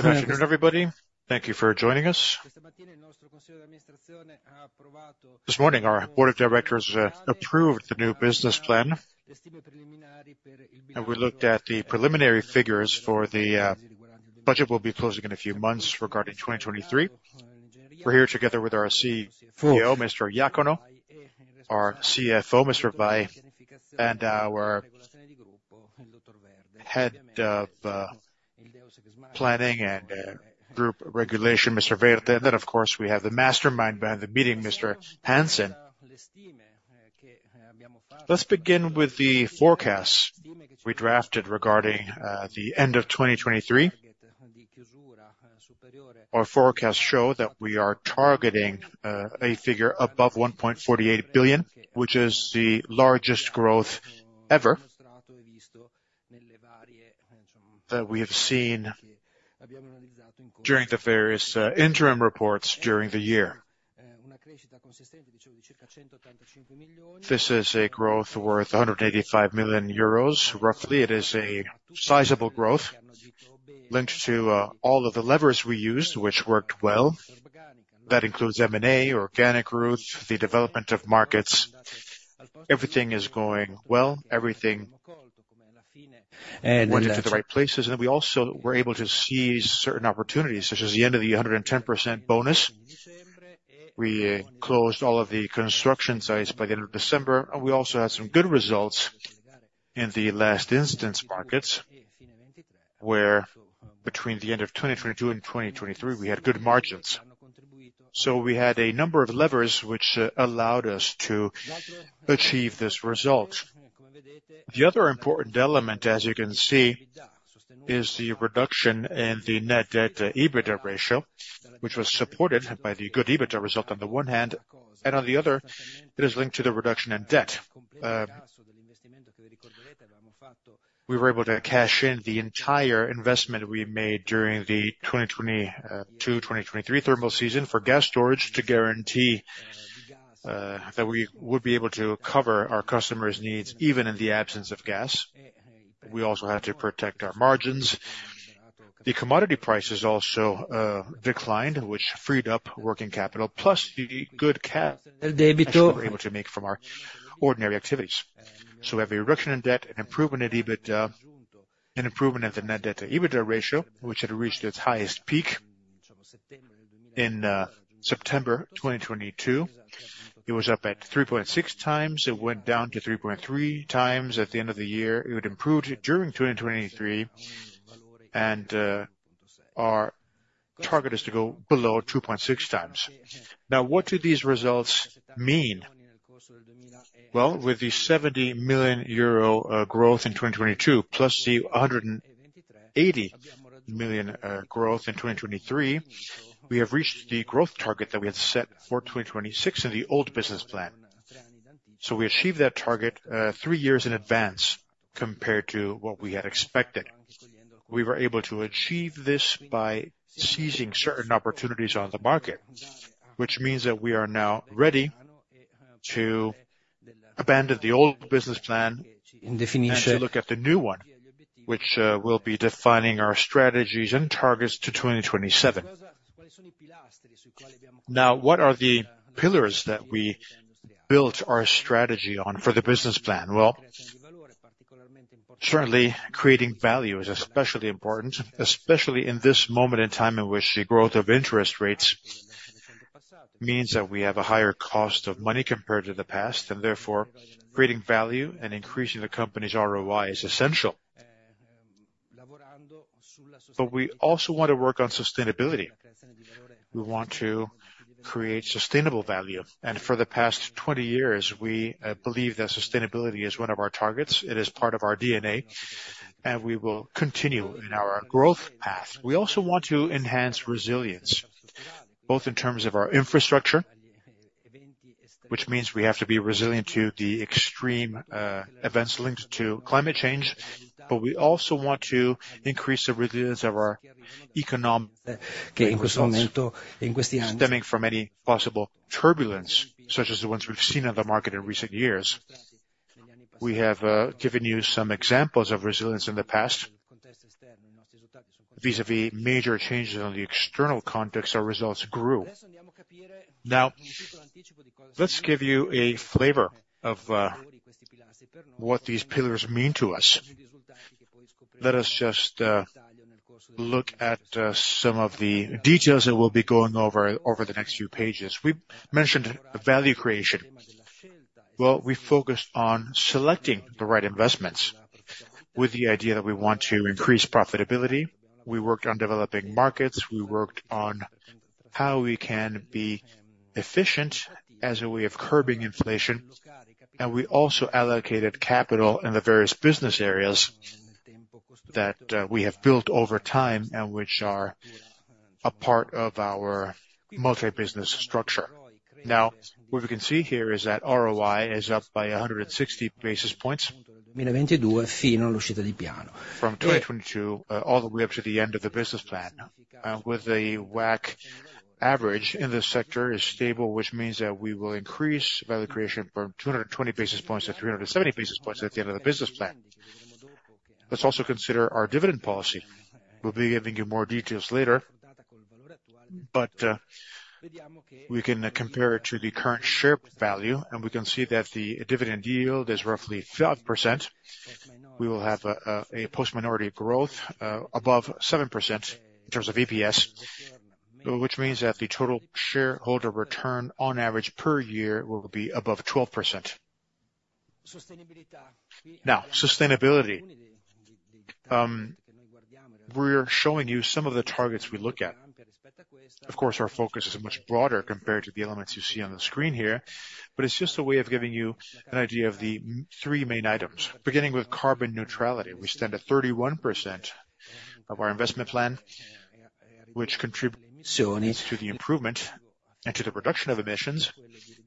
Good afternoon, everybody. Thank you for joining us. This morning, our board of directors approved the new business plan, and we looked at the preliminary figures for the budget we'll be closing in a few months regarding 2023. We're here together with our CEO, Mr. Iacono, our CFO, Mr. Moroni, and our Head of Planning and Group Regulation, Mr. Berti. And then, of course, we have the mastermind behind the meeting, Mr. Hansen. Let's begin with the forecasts we drafted regarding the end of 2023. Our forecasts show that we are targeting a figure above 1.48 billion, which is the largest growth ever that we have seen during the various interim reports during the year. This is a growth worth 185 million euros. Roughly, it is a sizable growth linked to all of the levers we used, which worked well. That includes M&A, organic growth, the development of markets. Everything is going well, everything went into the right places, and we also were able to seize certain opportunities, such as the end of the 110% bonus. We closed all of the construction sites by the end of December, and we also had some good results in the last instance markets, where between the end of 2022 and 2023, we had good margins. So we had a number of levers which allowed us to achieve this result. The other important element, as you can see, is the reduction in the net debt to EBITDA ratio, which was supported by the good EBITDA result on the one hand, and on the other, it is linked to the reduction in debt. We were able to cash in the entire investment we made during the 2022-2023 thermal season for gas storage, to guarantee that we would be able to cover our customers' needs, even in the absence of gas. We also had to protect our margins. The commodity prices also declined, which freed up working capital, plus the good cash we were able to make from our ordinary activities. So we have a reduction in debt, an improvement in EBITDA, an improvement in the net debt to EBITDA ratio, which had reached its highest peak in September 2022. It was up at 3.6 times. It went down to 3.3 times at the end of the year. It would improve during 2023, and our target is to go below 2.6 times. Now, what do these results mean? Well, with the 70 million euro growth in 2022, plus the 180 million growth in 2023, we have reached the growth target that we had set for 2026 in the old business plan. So we achieved that target three years in advance, compared to what we had expected. We were able to achieve this by seizing certain opportunities on the market, which means that we are now ready to abandon the old business plan and to look at the new one, which will be defining our strategies and targets to 2027. Now, what are the pillars that we built our strategy on for the business plan? Well, certainly creating value is especially important, especially in this moment in time, in which the growth of interest rates means that we have a higher cost of money compared to the past, and therefore, creating value and increasing the company's ROI is essential. But we also want to work on sustainability. We want to create sustainable value, and for the past 20 years, we believe that sustainability is one of our targets. It is part of our DNA, and we will continue in our growth path. We also want to enhance resilience, both in terms of our infrastructure, which means we have to be resilient to the extreme events linked to climate change, but we also want to increase the resilience of our economic stemming from any possible turbulence, such as the ones we've seen in the market in recent years. We have given you some examples of resilience in the past. Vis-à-vis major changes on the external context, our results grew. Now, let's give you a flavor of what these pillars mean to us. Let us just look at some of the details, and we'll be going over the next few pages. We mentioned value creation. Well, we focused on selecting the right investments, with the idea that we want to increase profitability. We worked on developing markets. We worked on how we can be efficient as a way of curbing inflation, and we also allocated capital in the various business areas that we have built over time, and which are a part of our multi-business structure. Now, what we can see here is that ROI is up by 160 basis points. From 2022 all the way up to the end of the business plan, with the WACC average in this sector is stable, which means that we will increase value creation from 220 basis points to 370 basis points at the end of the business plan. Let's also consider our dividend policy. We'll be giving you more details later, but we can compare it to the current share value, and we can see that the dividend yield is roughly 5%. We will have a post-minority growth above 7% in terms of EPS, which means that the total shareholder return on average per year will be above 12%. Now, sustainability. We're showing you some of the targets we look at. Of course, our focus is much broader compared to the elements you see on the screen here, but it's just a way of giving you an idea of the three main items. Beginning with carbon neutrality, we stand at 31% of our investment plan, which contribute to the improvement and to the reduction of emissions.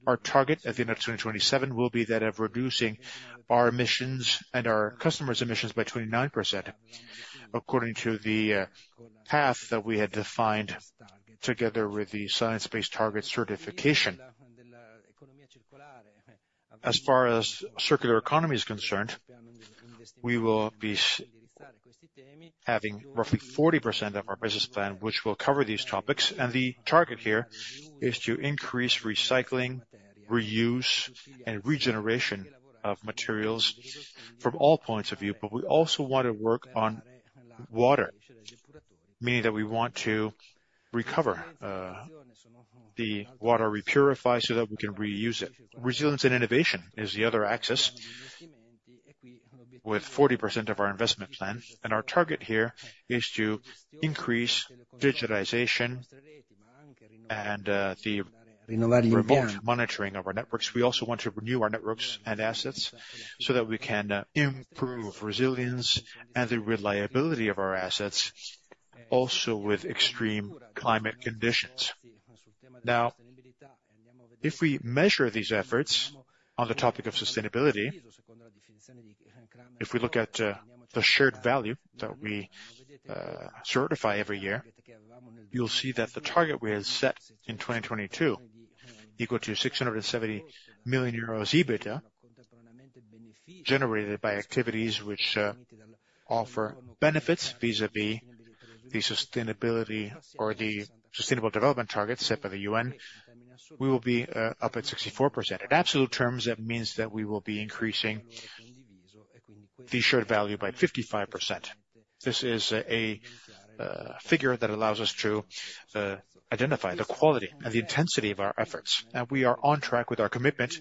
Our target at the end of 2027 will be that of reducing our emissions and our customers' emissions by 29%, according to the path that we had defined together with the Science-Based Target certification. As far as circular economy is concerned, we will be having roughly 40% of our business plan, which will cover these topics, and the target here is to increase recycling, reuse, and regeneration of materials from all points of view, but we also want to work on water, meaning that we want to recover, the water, repurify so that we can reuse it. Resilience and innovation is the other axis, with 40% of our investment plan, and our target here is to increase digitization and, the remote monitoring of our networks. We also want to renew our networks and assets so that we can, improve resilience and the reliability of our assets, also with extreme climate conditions. Now, if we measure these efforts on the topic of sustainability, if we look at the shared value that we certify every year, you'll see that the target we had set in 2022, equal to 670 million euros EBITDA, generated by activities which offer benefits vis-à-vis the sustainability or the sustainable development targets set by the UN, we will be up at 64%. In absolute terms, that means that we will be increasing the shared value by 55%. This is a figure that allows us to identify the quality and the intensity of our efforts, and we are on track with our commitment,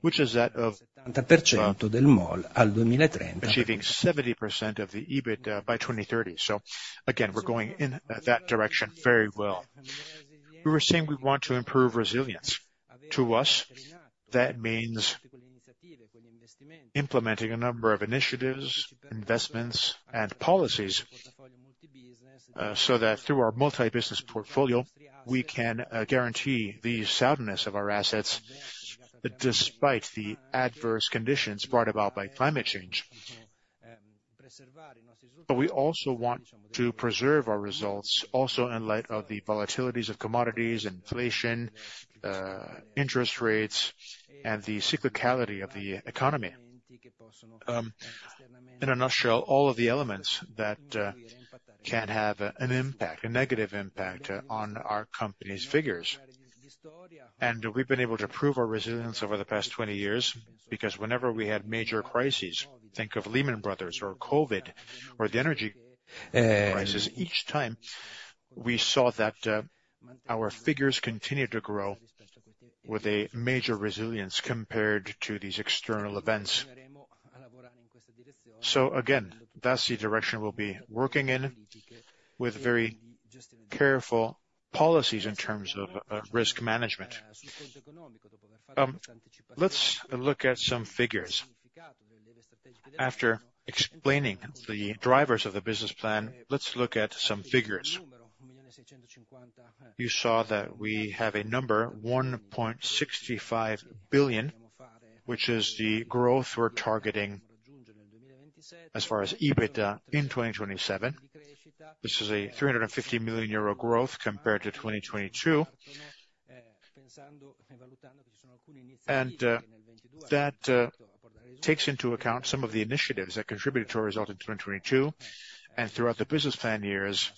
which is that of achieving 70% of the EBIT by 2030. So again, we're going in that direction very well. We were saying we want to improve resilience. To us, that means implementing a number of initiatives, investments, and policies, so that through our multi-business portfolio, we can guarantee the soundness of our assets, despite the adverse conditions brought about by climate change. But we also want to preserve our results, also in light of the volatilities of commodities, inflation, interest rates, and the cyclicality of the economy. In a nutshell, all of the elements that can have an impact, a negative impact, on our company's figures. And we've been able to prove our resilience over the past 20 years, because whenever we had major crises, think of Lehman Brothers, or COVID, or the energy crisis, each time, we saw that our figures continued to grow with a major resilience compared to these external events. So again, that's the direction we'll be working in, with very careful policies in terms of of risk management. Let's look at some figures. After explaining the drivers of the business plan, let's look at some figures. You saw that we have a number, 1.65 billion, which is the growth we're targeting as far as EBITDA in 2027. This is a 350 million euro growth compared to 2022. And, that, takes into account some of the initiatives that contributed to our results in 2022, and throughout the business plan years,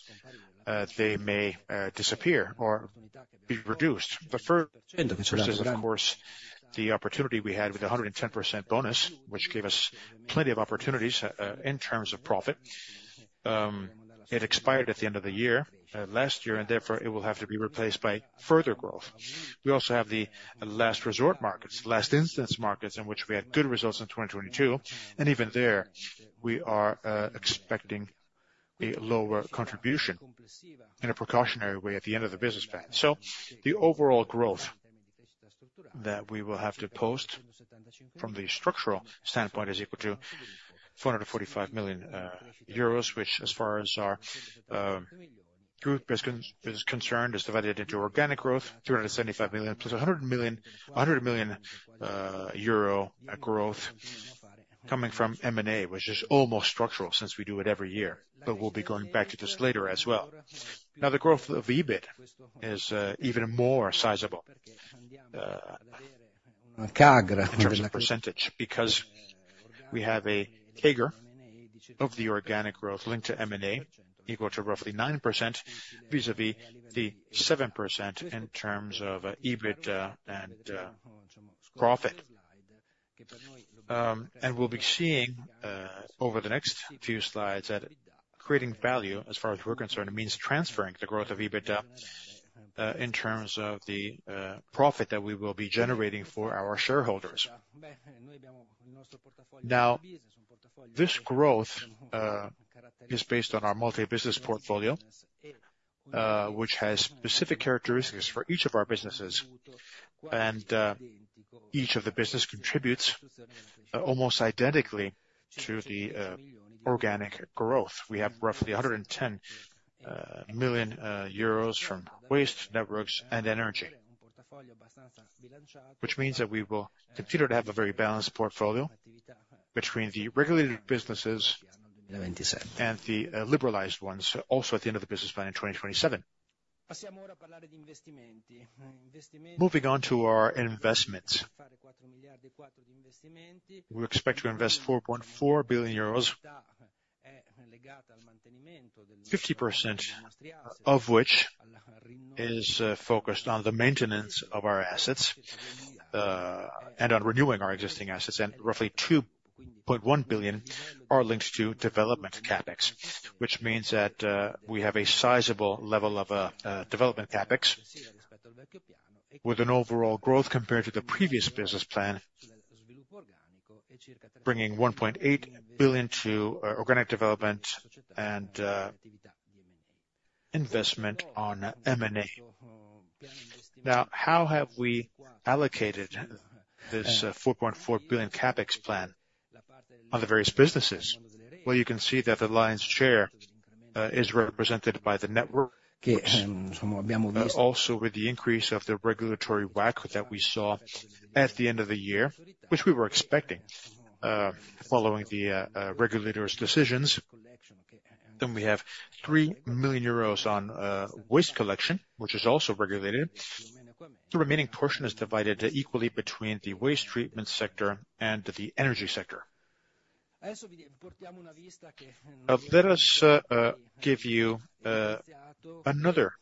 they may, disappear or be reduced. The first is, of course, the opportunity we had with a 110% bonus, which gave us plenty of opportunities, in terms of profit. It expired at the end of the year last year, and therefore, it will have to be replaced by further growth. We also have the last resort markets, last instance markets, in which we had good results in 2022, and even there, we are expecting a lower contribution in a precautionary way at the end of the business plan. So the overall growth that we will have to post from the structural standpoint is equal to 445 million euros, which as far as our group business is concerned, is divided into organic growth, 375 million, plus a hundred million, a hundred million euro growth coming from M&A, which is almost structural, since we do it every year, but we'll be going back to this later as well. Now, the growth of EBIT is, even more sizable. CAGR. In terms of percentage, because we have a CAGR of the organic growth linked to M&A, equal to roughly 9%, vis-à-vis the 7% in terms of EBIT and profit. We'll be seeing over the next few slides that creating value, as far as we're concerned, means transferring the growth of EBIT in terms of the profit that we will be generating for our shareholders. Now, this growth is based on our multi-business portfolio, which has specific characteristics for each of our businesses. Each of the business contributes almost identically to the organic growth. We have roughly 110 million euros from waste, networks, and energy. Which means that we will continue to have a very balanced portfolio between the regulated businesses and the liberalized ones, also at the end of the business plan in 2027. Moving on to our investments. We expect to invest 4.4 billion euros, 50% of which is focused on the maintenance of our assets and on renewing our existing assets, and roughly 2.1 billion are linked to development CapEx. Which means that we have a sizable level of development CapEx, with an overall growth compared to the previous business plan, bringing 1.8 billion to our organic development and investment on M&A. Now, how have we allocated this 4.4 billion CapEx plan on the various businesses? Well, you can see that the lion's share is represented by the network, which also with the increase of the regulatory WACC that we saw at the end of the year, which we were expecting, following the regulators' decisions. Then we have 3 million euros on waste collection, which is also regulated. The remaining portion is divided equally between the waste treatment sector and the energy sector. Let us give you another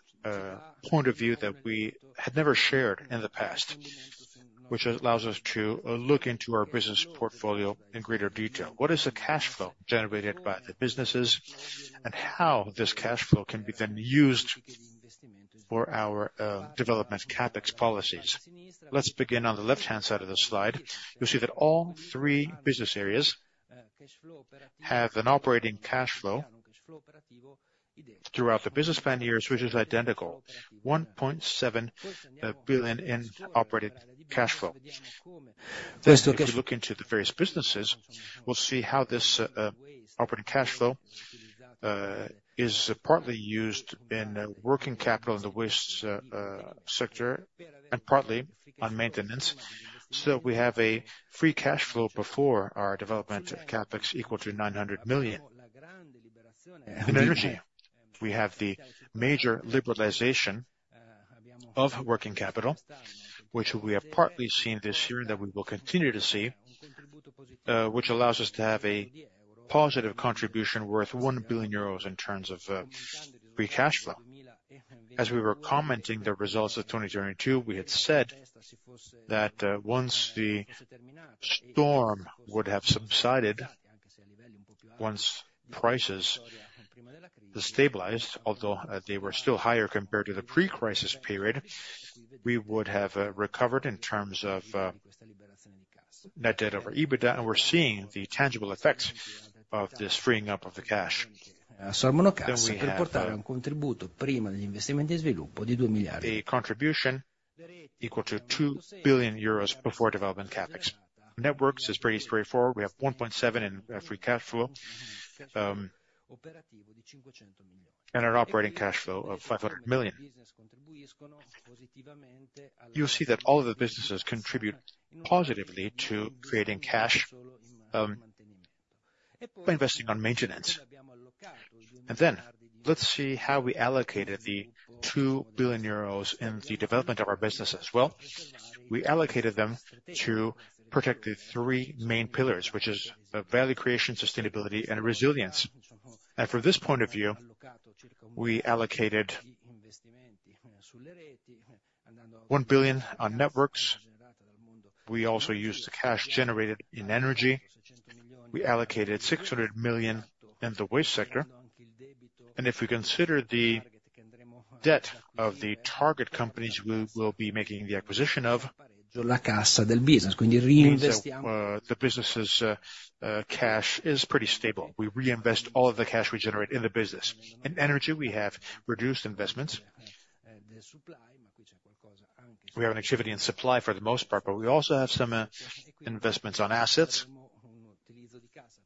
point of view that we had never shared in the past, which allows us to look into our business portfolio in greater detail. What is the cash flow generated by the businesses, and how this cash flow can be then used for our development CapEx policies? Let's begin on the left-hand side of the slide. You'll see that all three business areas have an operating cash flow throughout the business plan years, which is identical, 1.7 billion in operating cash flow. If you look into the various businesses, we'll see how this operating cash flow is partly used in working capital in the waste sector, and partly on maintenance. So we have a free cash flow before our development CapEx equal to 900 million. In energy, we have the major liberalization of working capital, which we have partly seen this year, and that we will continue to see, which allows us to have a positive contribution worth 1 billion euros in terms of free cash flow. As we were commenting the results of 2022, we had said that, once the storm would have subsided, once prices stabilized, although, they were still higher compared to the pre-crisis period, we would have, recovered in terms of, net debt over EBITDA, and we're seeing the tangible effects of this freeing up of the cash. Then we have a contribution equal to 2 billion euros before development CapEx. Networks is pretty straightforward. We have 1.7 in free cash flow, and an operating cash flow of 500 million. You'll see that all the businesses contribute positively to creating cash, by investing on maintenance. And then, let's see how we allocated the 2 billion euros in the development of our business as well. We allocated them to protect the three main pillars, which is value creation, sustainability, and resilience. From this point of view, we allocated 1 billion on networks. We also used the cash generated in energy. We allocated 600 million in the waste sector, and if we consider the debt of the target companies, we will be making the acquisition of. The business. The business' cash is pretty stable. We reinvest all of the cash we generate in the business. In energy, we have reduced investments. We have an activity in supply for the most part, but we also have some investments on assets,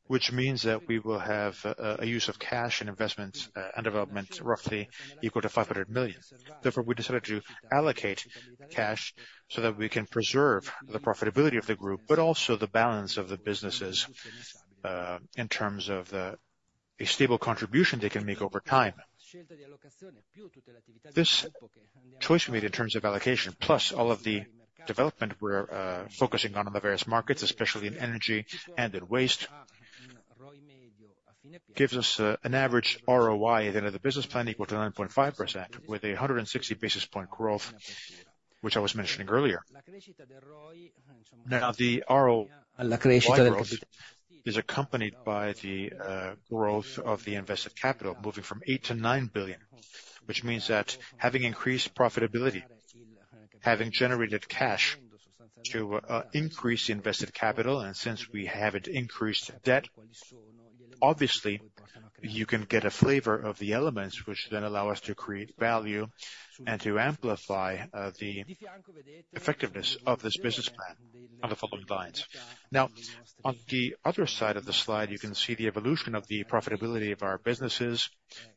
which means that we will have a use of cash in investments and development, roughly equal to 500 million. Therefore, we decided to allocate cash so that we can preserve the profitability of the group, but also the balance of the businesses, in terms of a stable contribution they can make over time. This choice we made in terms of allocation, plus all of the development we're focusing on in the various markets, especially in energy and in waste, gives us an average ROI at the end of the business plan equal to 9.5%, with a 160 basis point growth, which I was mentioning earlier. Now, the ROI growth is accompanied by the growth of the invested capital, moving from 8 billion to 9 billion, which means that having increased profitability, having generated cash to increase the invested capital, and since we haven't increased debt, obviously, you can get a flavor of the elements which then allow us to create value and to amplify the effectiveness of this business plan on the following lines. Now, on the other side of the slide, you can see the evolution of the profitability of our businesses,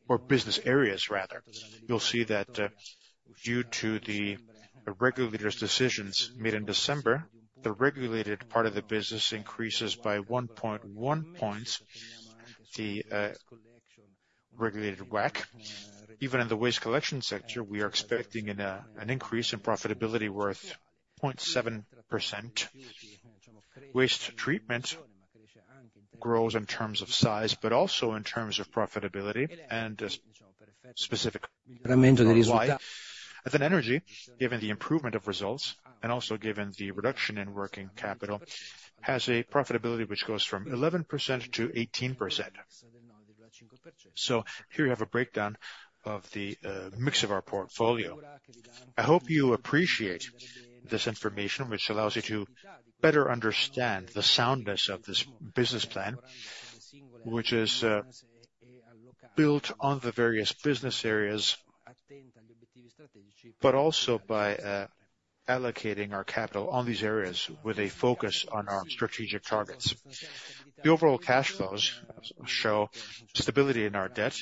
or business areas, rather. You'll see that, due to the regulators' decisions made in December, the regulated part of the business increases by 1.1 points, the regulated WACC. Even in the waste collection sector, we are expecting an increase in profitability worth 0.7%. Waste treatment grows in terms of size, but also in terms of profitability and specific ROI. Within energy, given the improvement of results, and also given the reduction in working capital, has a profitability which goes from 11%-18%. So here you have a breakdown of the mix of our portfolio. I hope you appreciate this information, which allows you to better understand the soundness of this business plan, which is built on the various business areas, but also by allocating our capital on these areas with a focus on our strategic targets. The overall cash flows show stability in our debt.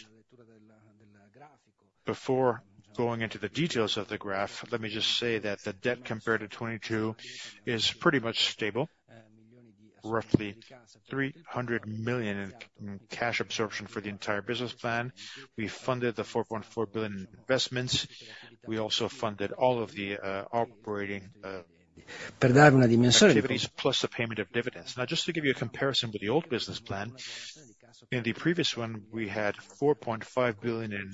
Before going into the details of the graph, let me just say that the debt compared to 2022 is pretty much stable, roughly 300 million in cash absorption for the entire business plan. We funded the 4.4 billion in investments. We also funded all of the operating activities, plus the payment of dividends. Now, just to give you a comparison with the old business plan, in the previous one, we had 4.5 billion in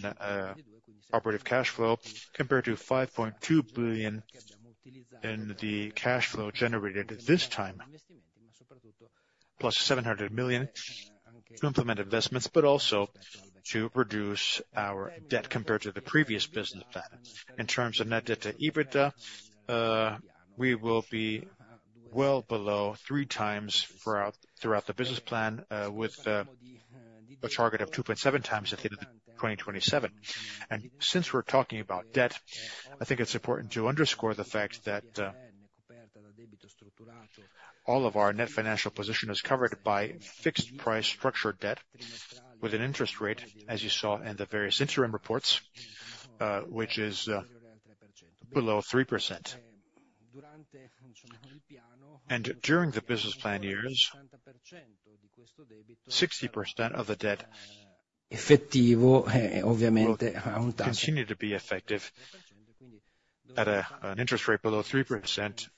operative cash flow, compared to 5.2 billion in the cash flow generated at this time, plus 700 million to implement investments, but also to reduce our debt compared to the previous business plan. In terms of net debt to EBITDA, we will be well below three times throughout, throughout the business plan, with a target of 2.7 times at the end of 2027. And since we're talking about debt, I think it's important to underscore the fact that all of our net financial position is covered by fixed price structured debt with an interest rate, as you saw in the various interim reports, which is below 3%. During the business plan years, 60% of the debt will continue to be effective at a, an interest rate below 3%.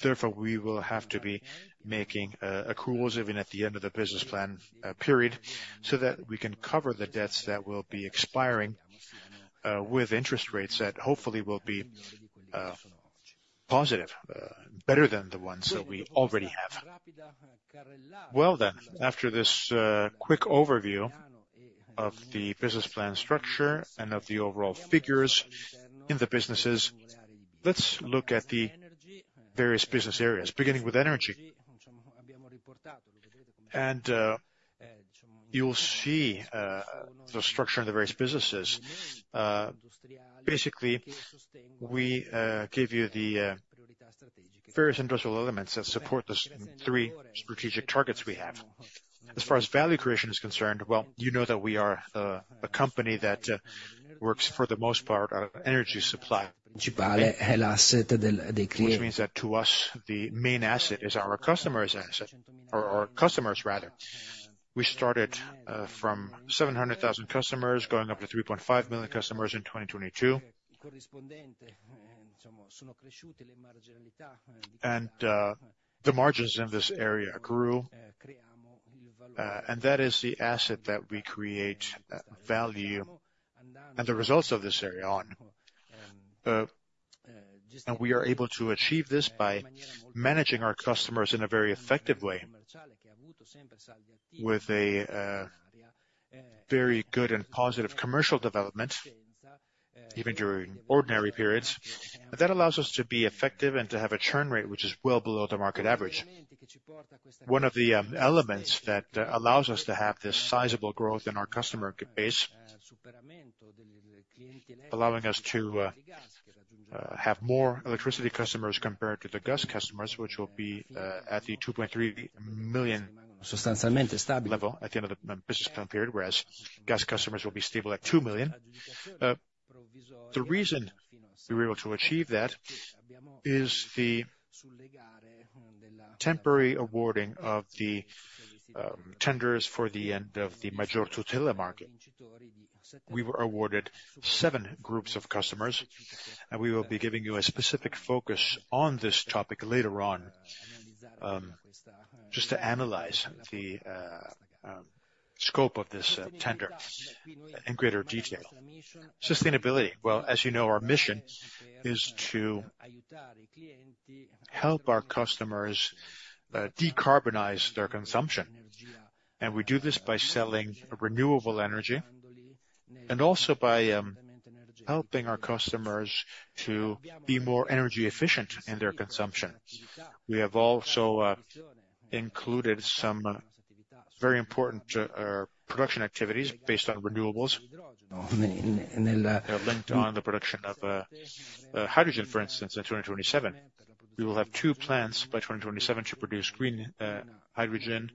Therefore, we will have to be making accruals even at the end of the business plan period, so that we can cover the debts that will be expiring with interest rates that hopefully will be positive, better than the ones that we already have. Well, then, after this quick overview of the business plan structure and of the overall figures in the businesses, let's look at the various business areas, beginning with energy. You will see the structure in the various businesses. Basically, we give you the various industrial elements that support the three strategic targets we have. As far as value creation is concerned, well, you know that we are a company that works for the most part energy supply, which means that to us, the main asset is our customers' asset, or our customers, rather. We started from 700,000 customers, going up to 3.5 million customers in 2022. The margins in this area grew, and that is the asset that we create value, and the results of this area on. We are able to achieve this by managing our customers in a very effective way, with a very good and positive commercial development, even during ordinary periods. That allows us to be effective and to have a churn rate, which is well below the market average. One of the elements that allows us to have this sizable growth in our customer base, allowing us to have more electricity customers compared to the gas customers, which will be at the 2.3 million level at the end of the business plan period, whereas gas customers will be stable at 2 million. The reason we were able to achieve that is the temporary awarding of the tenders for the end of the Maggior Tutela market. We were awarded 7 groups of customers, and we will be giving you a specific focus on this topic later on, just to analyze the scope of this tender in greater detail. Sustainability. Well, as you know, our mission is to help our customers decarbonize their consumption, and we do this by selling renewable energy, and also by helping our customers to be more energy efficient in their consumption. We have also included some very important production activities based on renewables linked on the production of hydrogen, for instance, in 2027. We will have 2 plants by 2027 to produce green hydrogen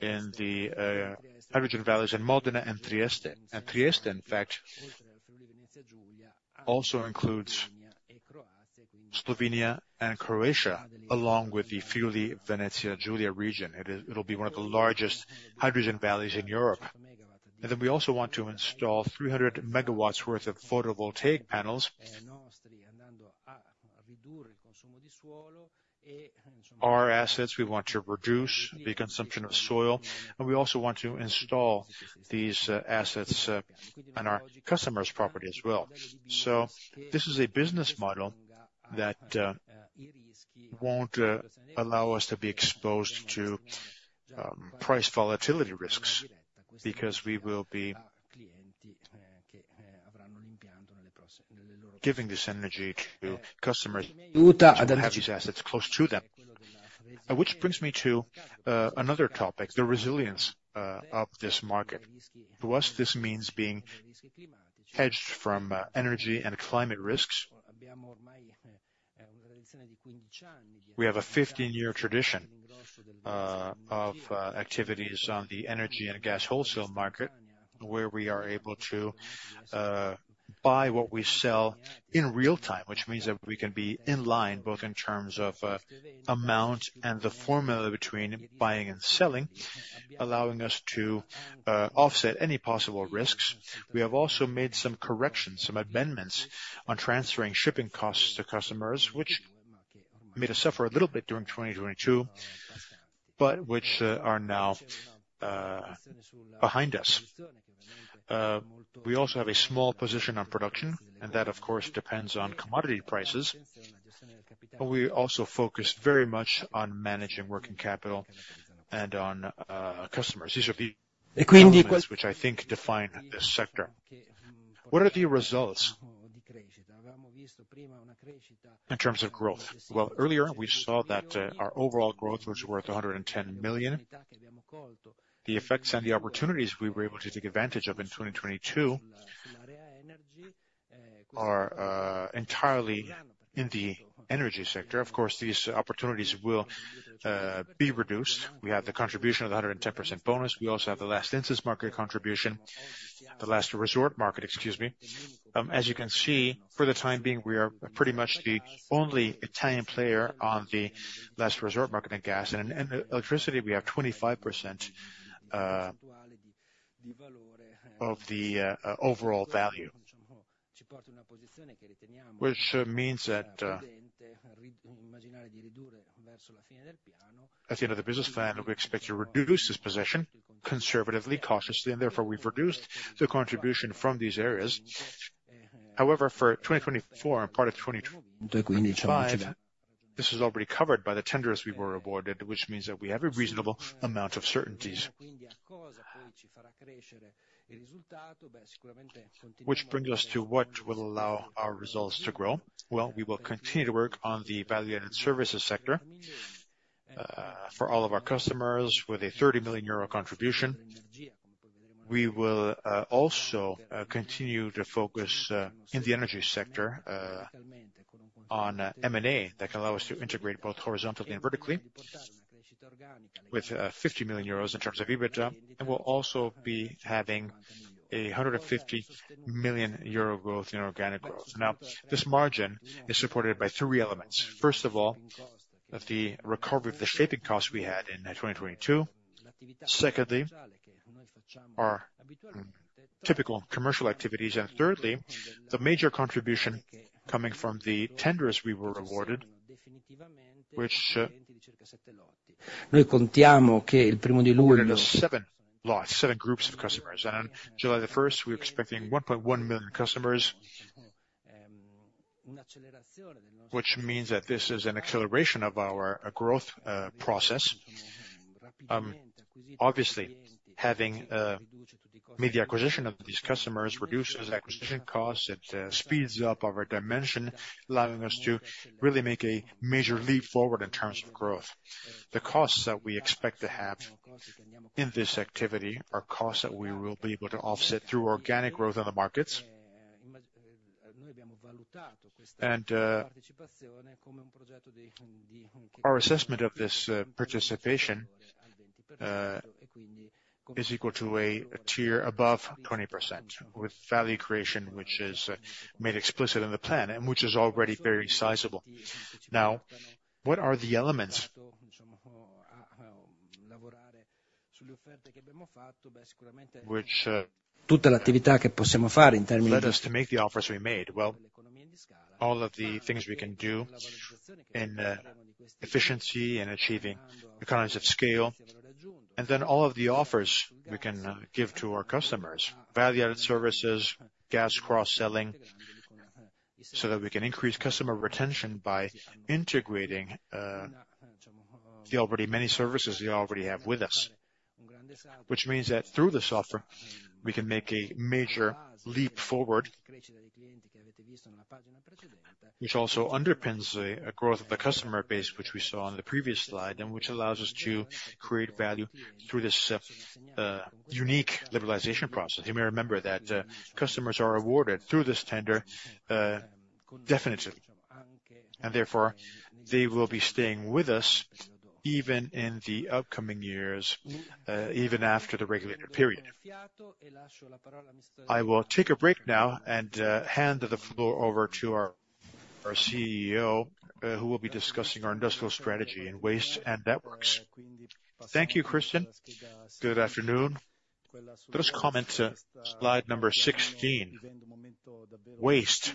in the hydrogen valleys in Modena and Trieste. And Trieste, in fact, also includes Slovenia and Croatia, along with the Friuli-Venezia Giulia region. It is. It'll be one of the largest hydrogen valleys in Europe. And then we also want to install 300 MW worth of photovoltaic panels. Our assets, we want to reduce the consumption of soil, and we also want to install these assets on our customers' property as well. So this is a business model that won't allow us to be exposed to price volatility risks, because we will be giving this energy to customers. Who have these assets close to them. Which brings me to another topic, the resilience of this market. To us, this means being hedged from energy and climate risks. We have a 15-year tradition of activities on the energy and gas wholesale market, where we are able to buy what we sell in real time. Which means that we can be in line, both in terms of amount and the formula between buying and selling, allowing us to offset any possible risks. We have also made some corrections, some amendments, on transferring shipping costs to customers, which made us suffer a little bit during 2022, but which are now behind us. We also have a small position on production, and that, of course, depends on commodity prices, but we also focus very much on managing working capital and on customers. These are the. Elements which I think define this sector. What are the results in terms of growth? Well, earlier we saw that our overall growth was worth 110 million. The effects and the opportunities we were able to take advantage of in 2022 are entirely in the energy sector. Of course, these opportunities will be reduced. We have the contribution of the 110% bonus. We also have the last resort market contribution, excuse me. As you can see, for the time being, we are pretty much the only Italian player on the last resort market in gas, and in energy, electricity, we have 25% of the overall value. Which means that at the end of the business plan, we expect to reduce this position conservatively, cautiously, and therefore, we've reduced the contribution from these areas. However, for 2024 and part of 2025, this is already covered by the tenders we were awarded, which means that we have a reasonable amount of certainties. Which brings us to what will allow our results to grow. Well, we will continue to work on the value-added services sector for all of our customers, with a 30 million euro contribution. We will also continue to focus in the energy sector on M&A that can allow us to integrate both horizontally and vertically, with 50 million euros in terms of EBITDA, and we'll also be having a 150 million euro growth in organic growth. Now, this margin is supported by 3 elements. First of all, the recovery of the shaping costs we had in 2022. Secondly, our typical commercial activities. And thirdly, the major contribution coming from the tenders we were awarded, which we entered into 7 lots, 7 groups of customers, and on July 1, we are expecting 1.1 million customers, which means that this is an acceleration of our growth process. Obviously, having made the acquisition of these customers reduces acquisition costs, it speeds up our dimension, allowing us to really make a major leap forward in terms of growth. The costs that we expect to have in this activity are costs that we will be able to offset through organic growth on the markets. And our assessment of this participation. is equal to a tier above 20%, with value creation, which is made explicit in the plan and which is already very sizable. Now, what are the elements which led us to make the offers we made? Well, all of the things we can do in efficiency and achieving economies of scale, and then all of the offers we can give to our customers. Value-added services, gas cross-selling, so that we can increase customer retention by integrating the already many services they already have with us. Which means that through this offer, we can make a major leap forward, which also underpins a growth of the customer base, which we saw on the previous slide, and which allows us to create value through this unique liberalization process. You may remember that, customers are awarded through this tender, definitively, and therefore, they will be staying with us even in the upcoming years, even after the regulated period. I will take a break now and, hand the floor over to our, our CEO, who will be discussing our industrial strategy in waste and networks. Thank you, Cristian. Good afternoon. Let us comment to slide number 16: waste.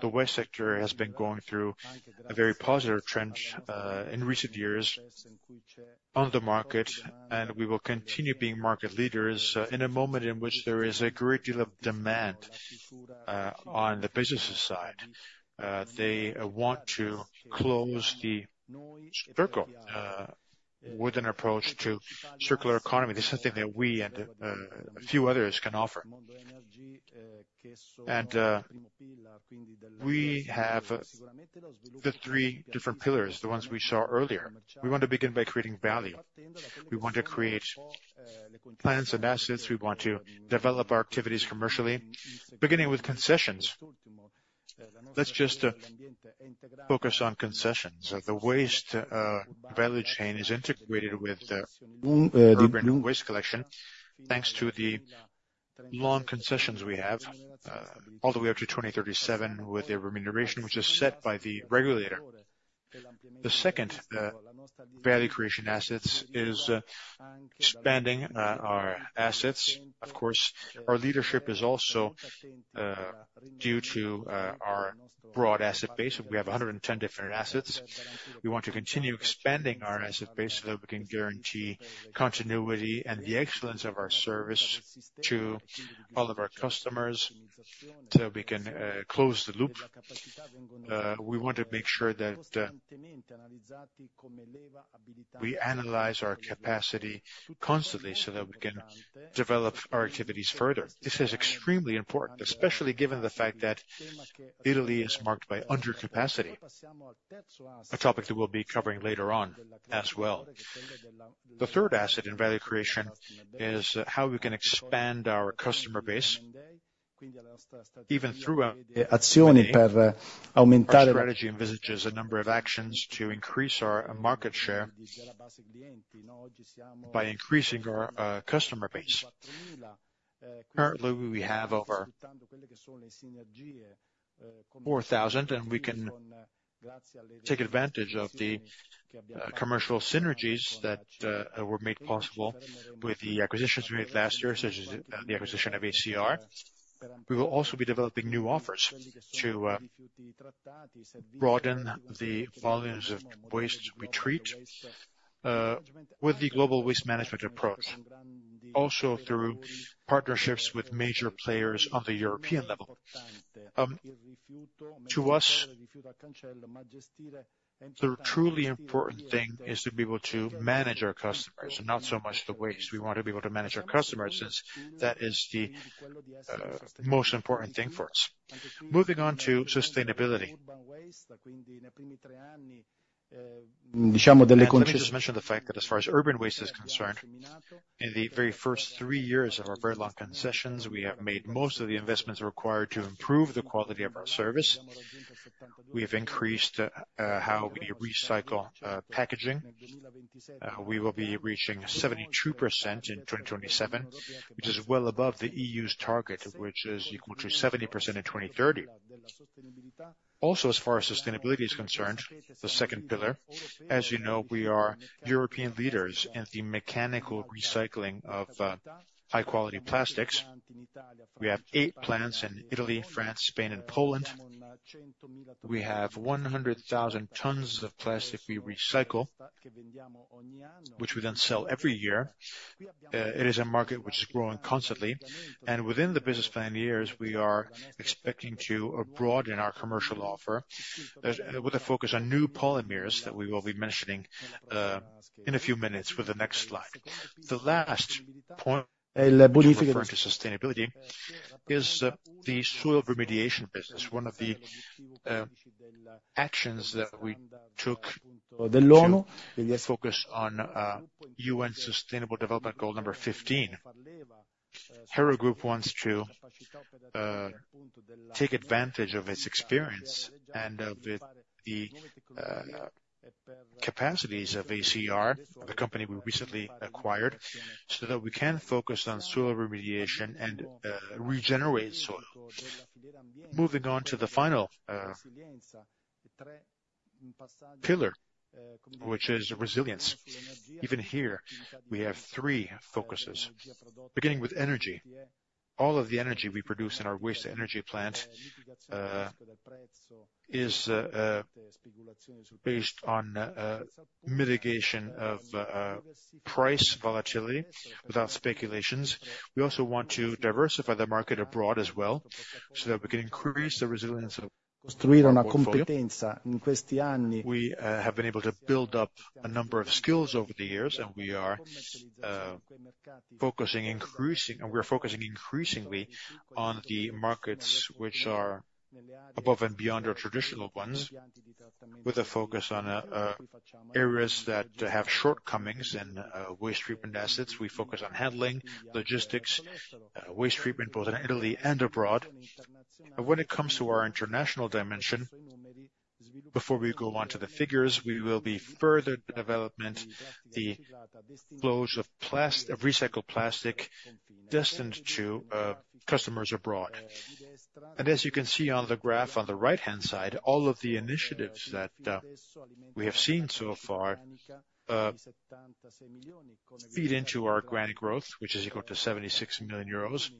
The waste sector has been going through a very positive trend, in recent years on the market, and we will continue being market leaders, in a moment in which there is a great deal of demand, on the businesses side. They want to close the circle, with an approach to circular economy. This is something that we and a few others can offer. We have the three different pillars, the ones we saw earlier. We want to begin by creating value. We want to create plans and assets. We want to develop our activities commercially, beginning with concessions. Let's just focus on concessions. The waste value chain is integrated with the urban waste collection, thanks to the long concessions we have all the way up to 2037, with a remuneration which is set by the regulator. The second value creation assets is expanding our assets. Of course, our leadership is also due to our broad asset base. We have 110 different assets. We want to continue expanding our asset base so that we can guarantee continuity and the excellence of our service to all of our customers, so we can close the loop. We want to make sure that we analyze our capacity constantly, so that we can develop our activities further. This is extremely important, especially given the fact that Italy is marked by undercapacity, a topic that we'll be covering later on as well. The third asset in value creation is how we can expand our customer base, even throughout. Our strategy envisages a number of actions to increase our market share by increasing our customer base. Currently, we have over 4,000, and we can take advantage of the commercial synergies that were made possible with the acquisitions we made last year, such as the acquisition of ACR. We will also be developing new offers to broaden the volumes of waste we treat with the global waste management approach, also through partnerships with major players on the European level. To us, the truly important thing is to be able to manage our customers, not so much the waste. We want to be able to manage our customers, since that is the most important thing for us. Moving on to sustainability. Let me just mention the fact that as far as urban waste is concerned, in the very first 3 years of our very long concessions, we have made most of the investments required to improve the quality of our service. We have increased how we recycle packaging. We will be reaching 72% in 2027, which is well above the EU's target, which is equal to 70% in 2030. Also, as far as sustainability is concerned, the second pillar, as you know, we are European leaders in the mechanical recycling of high-quality plastics. We have 8 plants in Italy, France, Spain, and Poland. We have 100,000 tons of plastic we recycle, which we then sell every year. It is a market which is growing constantly, and within the business plan years, we are expecting to broaden our commercial offer, with a focus on new polymers that we will be mentioning, in a few minutes with the next slide. The last point referring to sustainability is the soil remediation business. One of the actions that we took to focus on UN Sustainable Development Goal number 15. Hera Group wants to take advantage of its experience and of the capacities of ACR, the company we recently acquired, so that we can focus on soil remediation and regenerate soil. Moving on to the final pillar, which is resilience. Even here, we have three focuses, beginning with energy. All of the energy we produce in our waste energy plant is based on mitigation of price volatility without speculations. We also want to diversify the market abroad as well, so that we can increase the resilience of our portfolio. We have been able to build up a number of skills over the years, and we are focusing increasingly on the markets which are above and beyond our traditional ones, with a focus on areas that have shortcomings in waste treatment assets. We focus on handling, logistics, waste treatment, both in Italy and abroad. When it comes to our international dimension, before we go on to the figures, we will be further developing the flows of recycled plastic destined to customers abroad. As you can see on the graph, on the right-hand side, all of the initiatives that we have seen so far feed into our granular growth, which is equal to 76 million euros,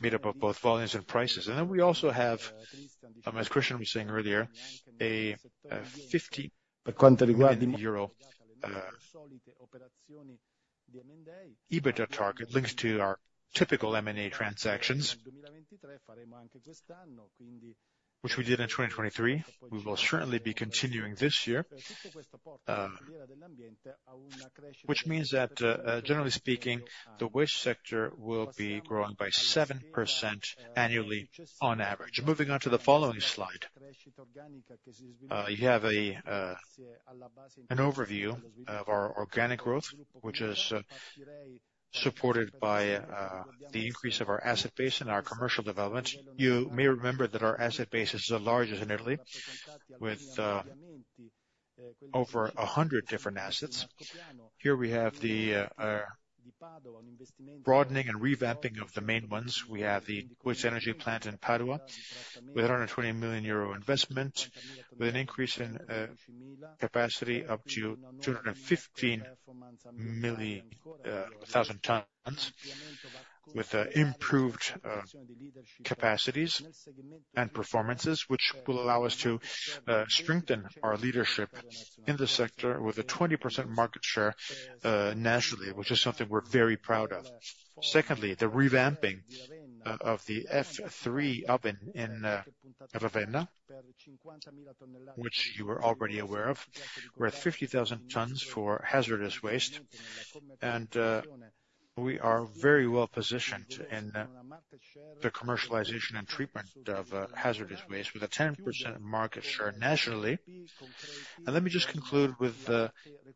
made up of both volumes and prices. Then we also have, as Cristian was saying earlier, a EUR 50 million EBITDA target, linked to our typical M&A transactions, which we did in 2023. We will certainly be continuing this year, which means that, generally speaking, the waste sector will be growing by 7% annually on average. Moving on to the following slide. You have an overview of our organic growth, which is supported by the increase of our asset base and our commercial development. You may remember that our asset base is the largest in Italy, with over 100 different assets. Here we have the broadening and revamping of the main ones. We have the waste energy plant in Padua, with a 120 million euro investment, with an increase in capacity up to 215,000 tons, with improved capacities and performances, which will allow us to strengthen our leadership in the sector with a 20% market share nationally, which is something we're very proud of. Secondly, the revamping of the F3 oven in Ravenna, which you are already aware of, worth 50,000 tons for hazardous waste. We are very well positioned in the commercialization and treatment of hazardous waste, with a 10% market share nationally. Let me just conclude with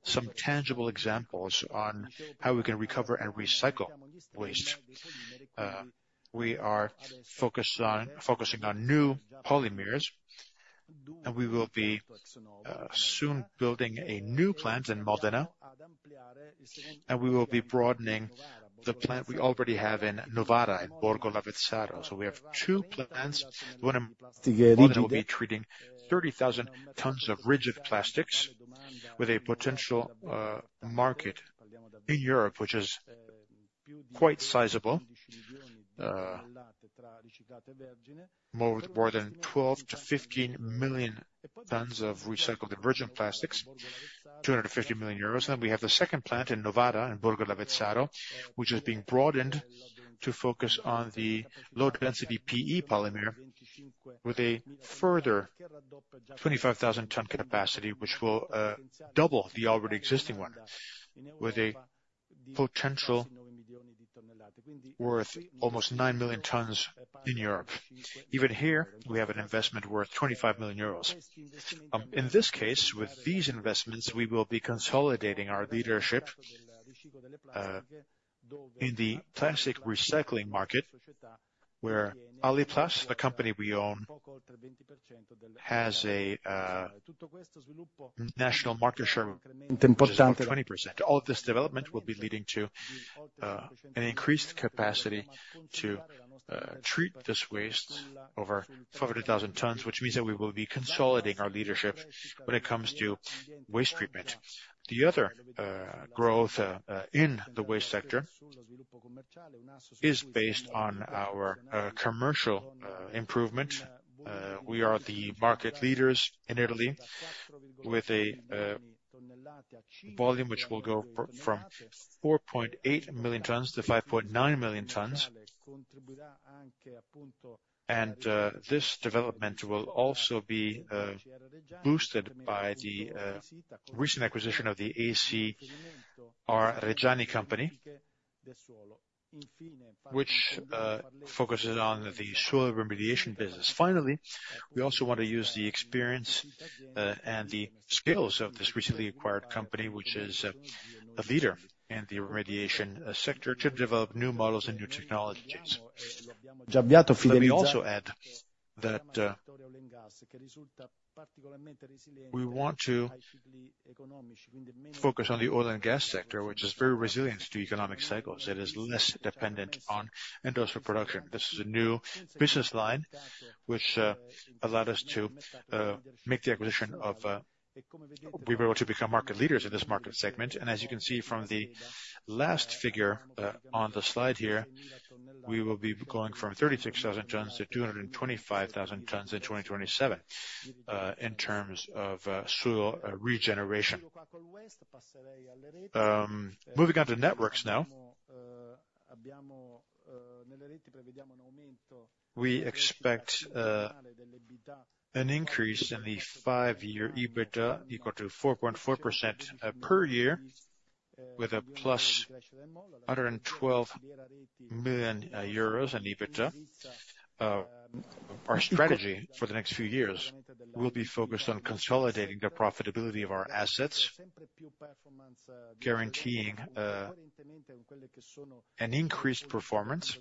some tangible examples on how we can recover and recycle waste. We are focusing on new polymers, and we will be soon building a new plant in Modena, and we will be broadening the plant we already have in Novara, in Borgo Lavezzaro. So we have two plants. One in, one will be treating 30,000 tons of rigid plastics with a potential market in Europe, which is quite sizable, more than 12-15 million tons of recycled and virgin plastics, 250 million euros. Then we have the second plant in Novara, in Borgo Lavezzaro, which is being broadened to focus on the low-density PE polymer, with a further 25,000-ton capacity, which will double the already existing one, with a potential worth almost 9 million tons in Europe. Even here, we have an investment worth 25 million euros. In this case, with these investments, we will be consolidating our leadership in the plastic recycling market, where Aliplast, the company we own, has a national market share of just about 20%. All this development will be leading to an increased capacity to treat this waste over 500,000 tons, which means that we will be consolidating our leadership when it comes to waste treatment. The other growth in the waste sector is based on our commercial improvement. We are the market leaders in Italy with a volume which will go from 4.8 million tons to 5.9 million tons. This development will also be boosted by the recent acquisition of the ACR Reggiani company, which focuses on the soil remediation business. Finally, we also want to use the experience and the skills of this recently acquired company, which is a leader in the remediation sector, to develop new models and new technologies. Let me also add that we want to focus on the oil and gas sector, which is very resilient to economic cycles. It is less dependent on industrial production. This is a new business line which allowed us to make the acquisition of. We were able to become market leaders in this market segment, and as you can see from the last figure on the slide here, we will be going from 36,000 tons to 225,000 tons in 2027 in terms of soil regeneration. Moving on to networks now. We expect an increase in the five-year EBITDA equal to 4.4% per year, with a +112 million euros in EBITDA. Our strategy for the next few years will be focused on consolidating the profitability of our assets, guaranteeing an increased performance,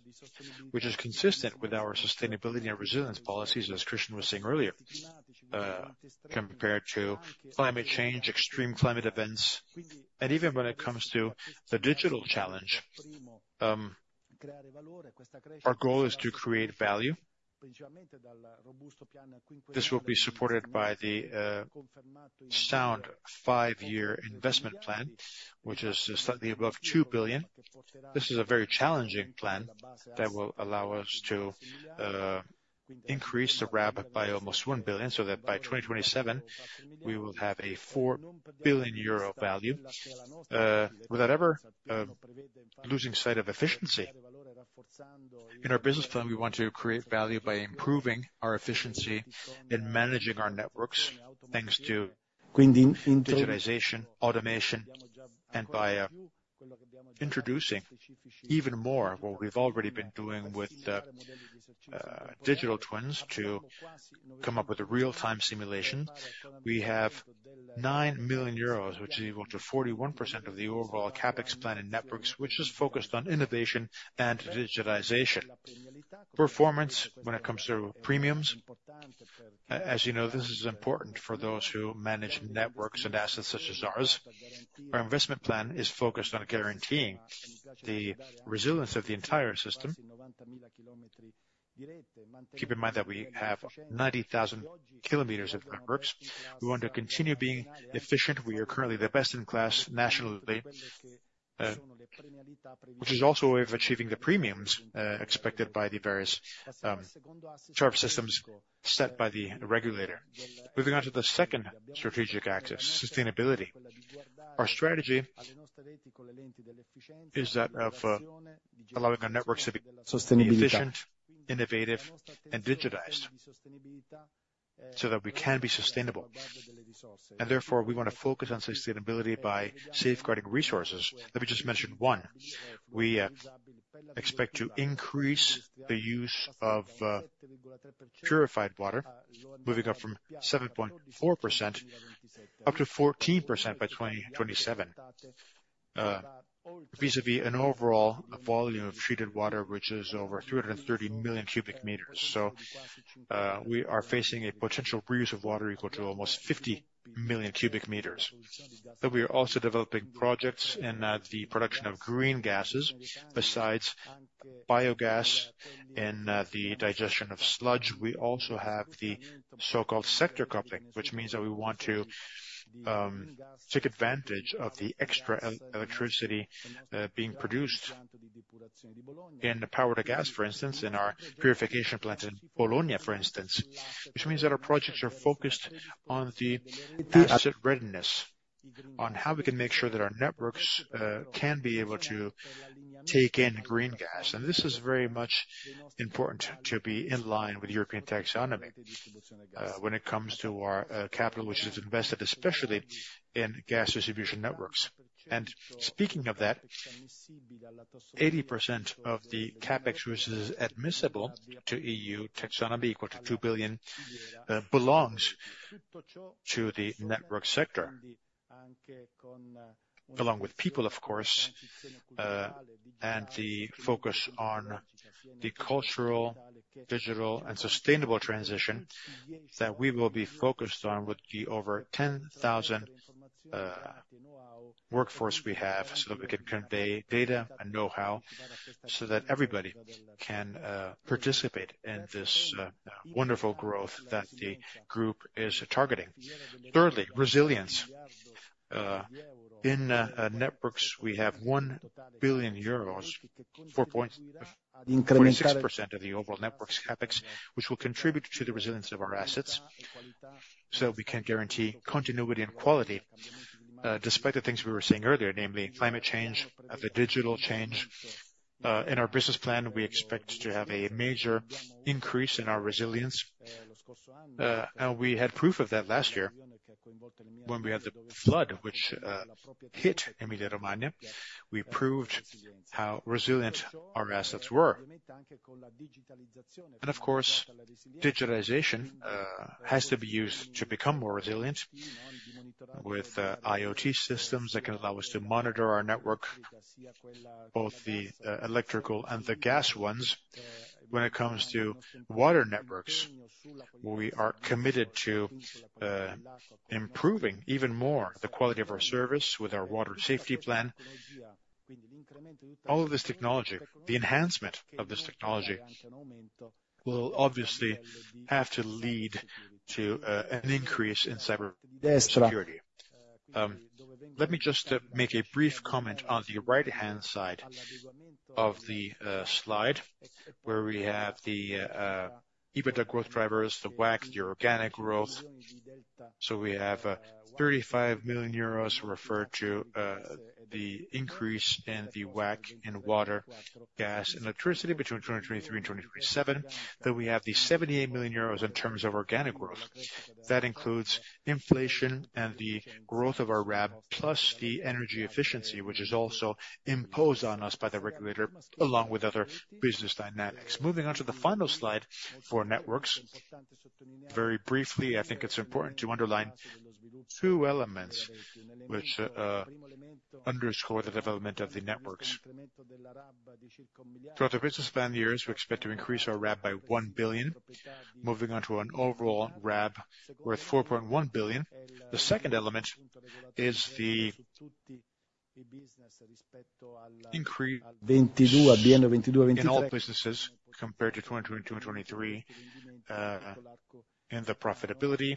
which is consistent with our sustainability and resilience policies, as Christian was saying earlier, compared to climate change, extreme climate events, and even when it comes to the digital challenge, our goal is to create value. This will be supported by the sound 5-year investment plan, which is slightly above 2 billion. This is a very challenging plan that will allow us to increase the RAB by almost 1 billion, so that by 2027 we will have a 4 billion euro value without ever losing sight of efficiency. In our business plan, we want to create value by improving our efficiency in managing our networks, thanks to digitization, automation, and by introducing even more what we've already been doing with digital twins to come up with a real-time simulation. We have 9 million euros, which is equal to 41% of the overall CapEx plan in networks, which is focused on innovation and digitization. Performance, when it comes to premiums, as you know, this is important for those who manage networks and assets such as ours. Our investment plan is focused on guaranteeing the resilience of the entire system. Keep in mind that we have 90,000 km of networks. We want to continue being efficient. We are currently the best in class nationally, which is also a way of achieving the premiums expected by the various tariff systems set by the regulator. Moving on to the second strategic axis, sustainability. Our strategy is that of allowing our networks to be efficient, innovative, and digitized, so that we can be sustainable, and therefore, we want to focus on sustainability by safeguarding resources. Let me just mention one. We expect to increase the use of purified water, moving up from 7.4% up to 14% by 2027, vis-à-vis an overall volume of treated water, which is over 330 million cubic meters. So, we are facing a potential reuse of water equal to almost 50 million cubic meters, but we are also developing projects in the production of green gases. Besides biogas and the digestion of sludge, we also have the so-called sector coupling, which means that we want to take advantage of the extra electricity being produced in the Power-to-Gas, for instance, in our purification plants in Bologna, for instance. Which means that our projects are focused on the asset readiness, on how we can make sure that our networks can be able to take in green gas. And this is very much important to be in line with European taxonomy when it comes to our capital, which is invested, especially in gas distribution networks. Speaking of that, 80% of the CapEx, which is admissible to EU taxonomy, equal to 2 billion, belongs to the network sector. Along with people, of course, and the focus on the cultural, digital, and sustainable transition that we will be focused on with the over 10,000 workforce we have, so that we can convey data and know-how, so that everybody can participate in this wonderful growth that the group is targeting. Thirdly, resilience. In networks, we have 1 billion euros, 4.46% of the overall networks CapEx, which will contribute to the resilience of our assets, so we can guarantee continuity and quality, despite the things we were saying earlier, namely climate change and the digital change. In our business plan, we expect to have a major increase in our resilience, and we had proof of that last year, when we had the flood, which hit Emilia-Romagna, we proved how resilient our assets were. And of course, digitalization has to be used to become more resilient with IoT systems that can allow us to monitor our network, both the electrical and the gas ones. When it comes to water networks, we are committed to improving even more the quality of our service with our Water Safety Plan. All of this technology, the enhancement of this technology, will obviously have to lead to an increase in cyber security. Let me just make a brief comment on the right-hand side of the slide, where we have the EBITDA growth drivers, the WACC, the organic growth. So we have 35 million euros referred to the increase in the WACC in water, gas, and electricity between 2023 and 2027. Then we have the 78 million euros in terms of organic growth. That includes inflation and the growth of our RAB, plus the energy efficiency, which is also imposed on us by the regulator, along with other business dynamics. Moving on to the final slide for networks. Very briefly, I think it's important to underline two elements which underscore the development of the networks. Throughout the business plan years, we expect to increase our RAB by 1 billion, moving on to an overall RAB worth 4.1 billion. The second element is the increase in all businesses compared to 2022 and 2023, and the profitability,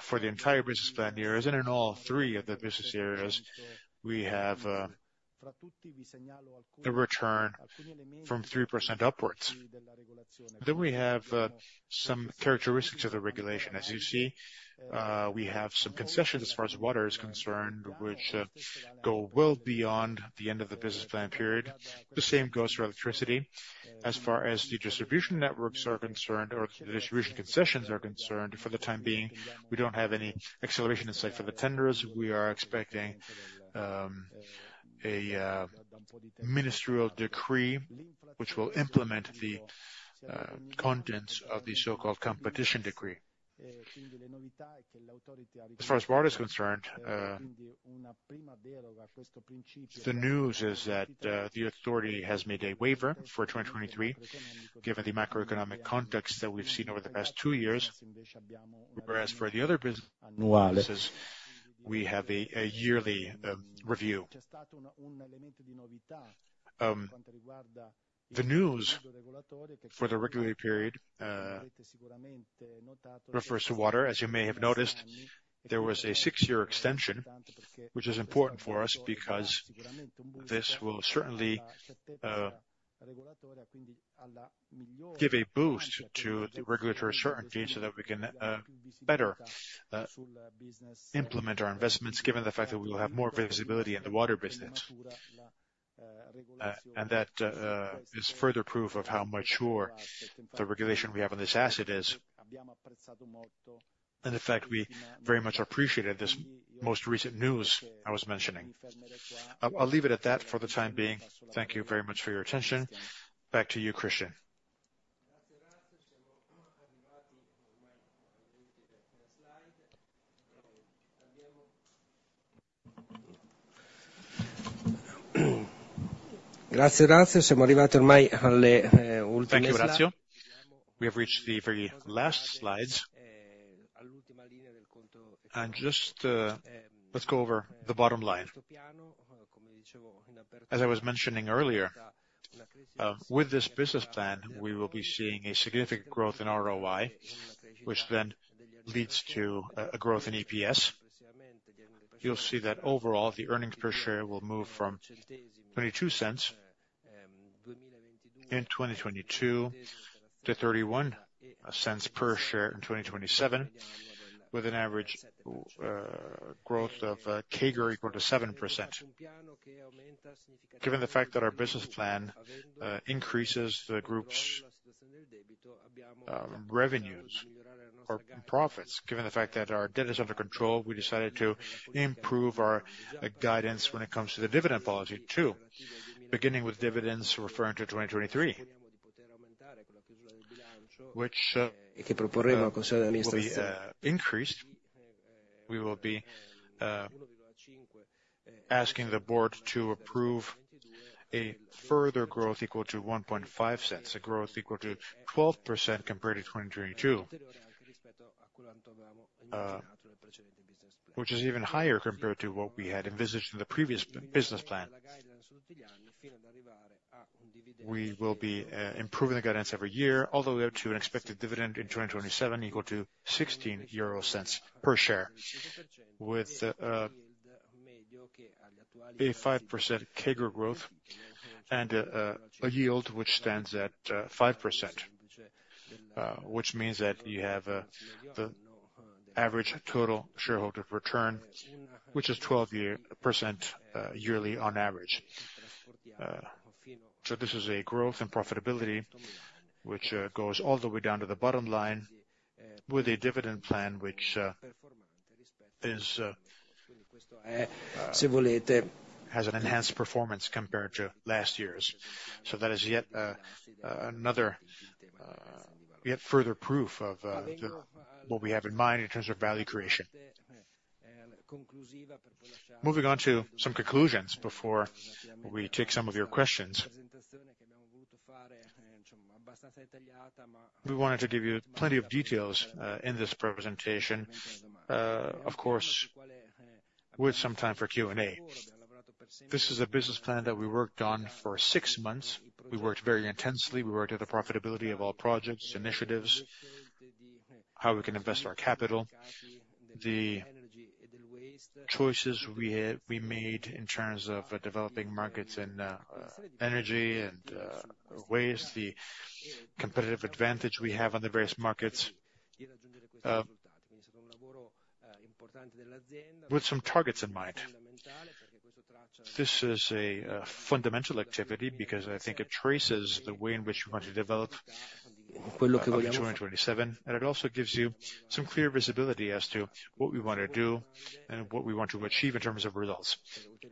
for the entire business plan years, and in all three of the business areas, we have, the return from 3% upwards. Then we have, some characteristics of the regulation. As you see, we have some concessions as far as water is concerned, which, go well beyond the end of the business plan period. The same goes for electricity. As far as the distribution networks are concerned, or the distribution concessions are concerned, for the time being, we don't have any acceleration in sight for the tenders. We are expecting, a, ministerial decree, which will implement the, contents of the so-called Competition Decree. As far as water is concerned, the news is that the authority has made a waiver for 2023, given the macroeconomic context that we've seen over the past 2 years, whereas for the other businesses, we have a yearly review. The news for the regulatory period refers to water. As you may have noticed, there was a 6-year extension, which is important for us, because this will certainly give a boost to the regulatory certainty so that we can better implement our investments, given the fact that we will have more visibility in the water business. And that is further proof of how mature the regulation we have on this asset is. And in fact, we very much appreciated this most recent news I was mentioning. I'll leave it at that for the time being. Thank you very much for your attention. Back to you, Christian. Thank you, Orazio. We have reached the very last slides. Just, let's go over the bottom line. As I was mentioning earlier, with this business plan, we will be seeing a significant growth in ROI, which then leads to a growth in EPS. You'll see that overall, the earnings per share will move from 0.22 EUR in 2022, to 0.31 EUR per share in 2027, with an average growth of CAGR equal to 7%. Given the fact that our business plan increases the group's revenues or profits, given the fact that our debt is under control, we decided to improve our guidance when it comes to the dividend policy, too, beginning with dividends referring to 2023, which will be increased. We will be asking the board to approve a further growth equal to 0.015, a growth equal to 12% compared to 2022, which is even higher compared to what we had envisaged in the previous business plan. We will be improving the guidance every year, all the way up to an expected dividend in 2027 equal to 0.16 per share, with a 5% CAGR growth and a yield which stands at 5%. Which means that you have the average total shareholder return, which is 12-year percent yearly on average. So this is a growth and profitability, which goes all the way down to the bottom line, with a dividend plan which is has an enhanced performance compared to last year's. So that is yet another yet further proof of the what we have in mind in terms of value creation. Moving on to some conclusions before we take some of your questions. We wanted to give you plenty of details in this presentation. Of course, with some time for Q&A. This is a business plan that we worked on for six months. We worked very intensely. We worked at the profitability of all projects, initiatives, how we can invest our capital, the choices we made in terms of developing markets and energy and waste, the competitive advantage we have on the various markets with some targets in mind. This is a fundamental activity, because I think it traces the way in which we want to develop up to 2027, and it also gives you some clear visibility as to what we want to do and what we want to achieve in terms of results.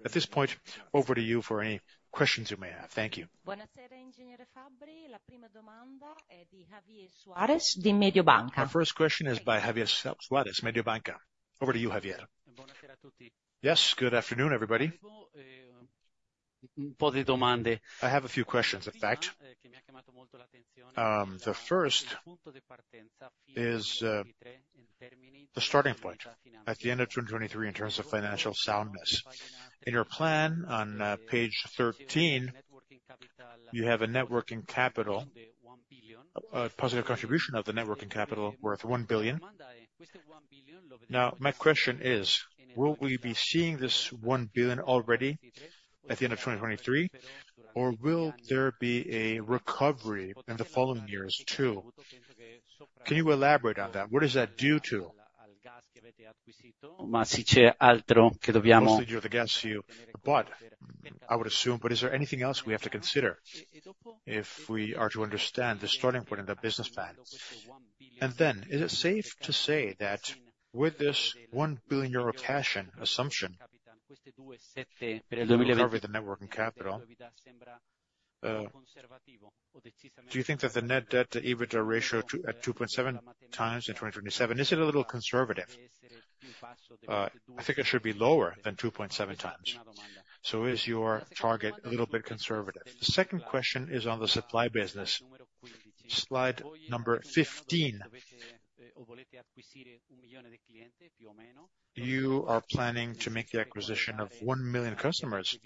At this point, over to you for any questions you may have. Thank you. Our first question is by Javier Suarez, Mediobanca. Over to you, Javier. Yes, good afternoon, everybody. I have a few questions, in fact. The first is, the starting point at the end of 2023, in terms of financial soundness. In your plan on, page 13, you have a net working capital, a positive contribution of the net working capital worth 1 billion. Now, my question is: will we be seeing this 1 billion already at the end of 2023, or will there be a recovery in the following years, too? Can you elaborate on that? What is that due to? Most of you are the guests, you. But I would assume, but is there anything else we have to consider, if we are to understand the starting point of the business plan? Is it safe to say that with this 1 billion euro cash assumption recovery, the net working capital, do you think that the net debt to EBITDA ratio at 2.7 times in 2027 is a little conservative? I think it should be lower than 2.7 times. So is your target a little bit conservative? The second question is on the supply business. Slide number 15. You are planning to make the acquisition of 1 million customers,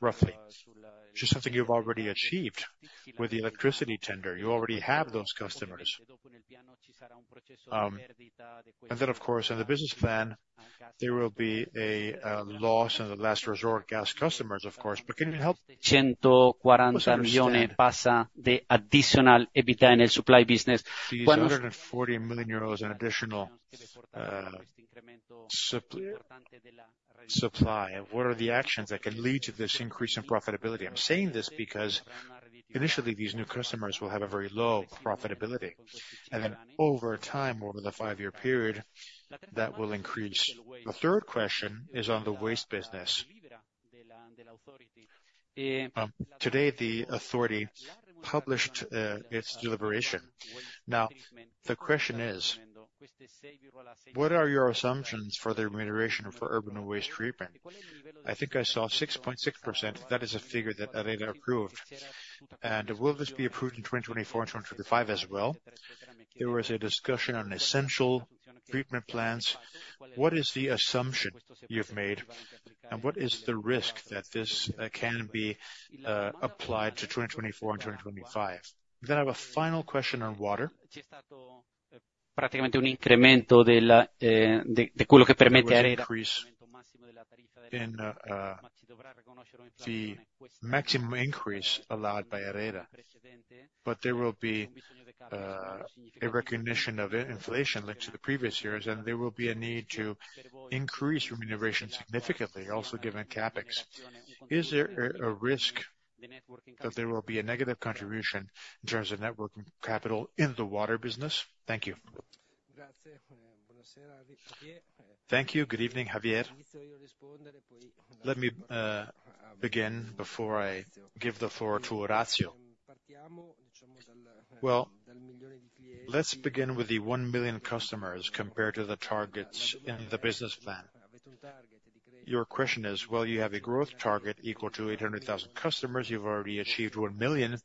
roughly, which is something you've already achieved with the electricity tender. You already have those customers. And then, of course, in the business plan, there will be a loss in the last resort gas customers, of course, but can you help us understand. Additional EBITDA in the supply business? These 140 million euros in additional supply, and what are the actions that can lead to this increase in profitability? I'm saying this because initially these new customers will have a very low profitability, and then over time, over the five-year period, that will increase. The third question is on the waste business. Today, the authority published its deliberation. Now, the question is, what are your assumptions for the remuneration for urban waste treatment? I think I saw 6.6%. That is a figure that ARERA approved. And will this still be approved in 2024 and 2025 as well? There was a discussion on essential treatment plants. What is the assumption you've made, and what is the risk that this can be applied to 2024 and 2025? Then I have a final question on water. There was an increase in the maximum increase allowed by ARERA, but there will be a recognition of inflation linked to the previous years, and there will be a need to increase remuneration significantly, also given CapEx. Is there a risk that there will be a negative contribution in terms of net working capital in the water business? Thank you. Thank you. Good evening, Javier. Let me begin before I give the floor to Orazio. Well, let's begin with the 1 million customers compared to the targets in the business plan. Your question is, well, you have a growth target equal to 800,000 customers. You've already achieved 1 million,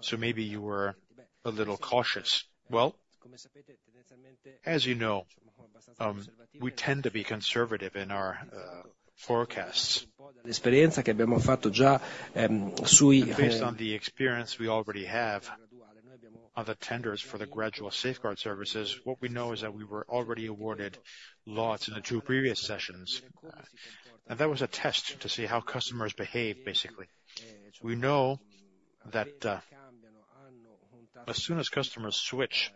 so maybe you were a little cautious. Well, as you know, we tend to be conservative in our forecasts. Based on the experience we already have of the tenders for the gradual safeguard services, what we know is that we were already awarded lots in the two previous sessions. And that was a test to see how customers behave, basically. We know that, as soon as customers switch,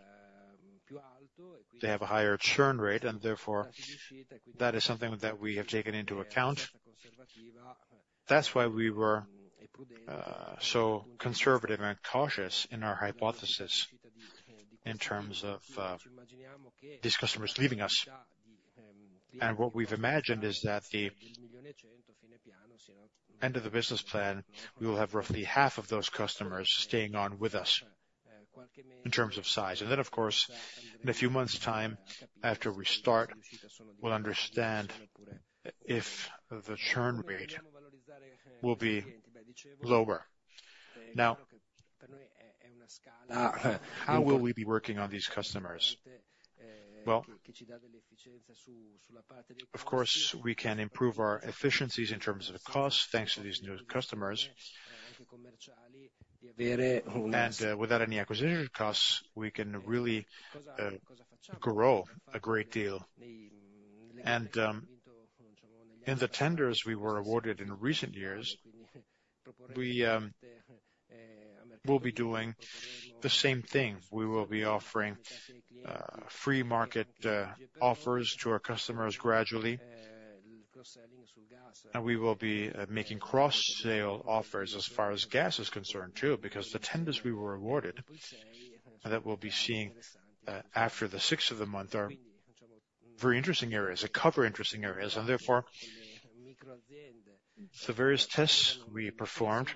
they have a higher churn rate, and therefore, that is something that we have taken into account. That's why we were so conservative and cautious in our hypothesis, in terms of these customers leaving us. What we've imagined is that the end of the business plan, we will have roughly half of those customers staying on with us, in terms of size. Then, of course, in a few months' time, after we start, we'll understand if the churn rate will be lower. Now, how will we be working on these customers? Well, of course, we can improve our efficiencies in terms of cost, thanks to these new customers. Without any acquisition costs, we can really grow a great deal. In the tenders we were awarded in recent years, we will be doing the same thing. We will be offering free market offers to our customers gradually. We will be making cross-sale offers as far as gas is concerned, too, because the tenders we were awarded, and that we'll be seeing after the sixth of the month, are very interesting areas; they cover interesting areas. Therefore, the various tests we performed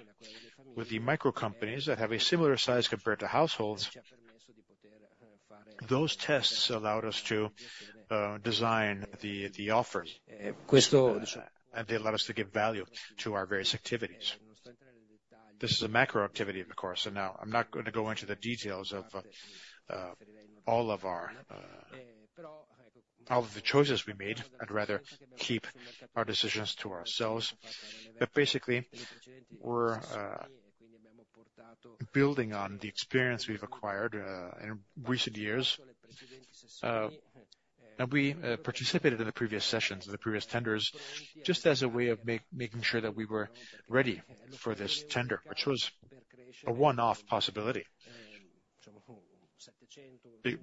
with the micro companies that have a similar size compared to households, those tests allowed us to design the offers. They allowed us to give value to our various activities. This is a macro activity, of course, so now I'm not going to go into the details of all of our all of the choices we made. I'd rather keep our decisions to ourselves. But basically, we're building on the experience we've acquired in recent years. We participated in the previous sessions, the previous tenders, just as a way of making sure that we were ready for this tender, which was a one-off possibility.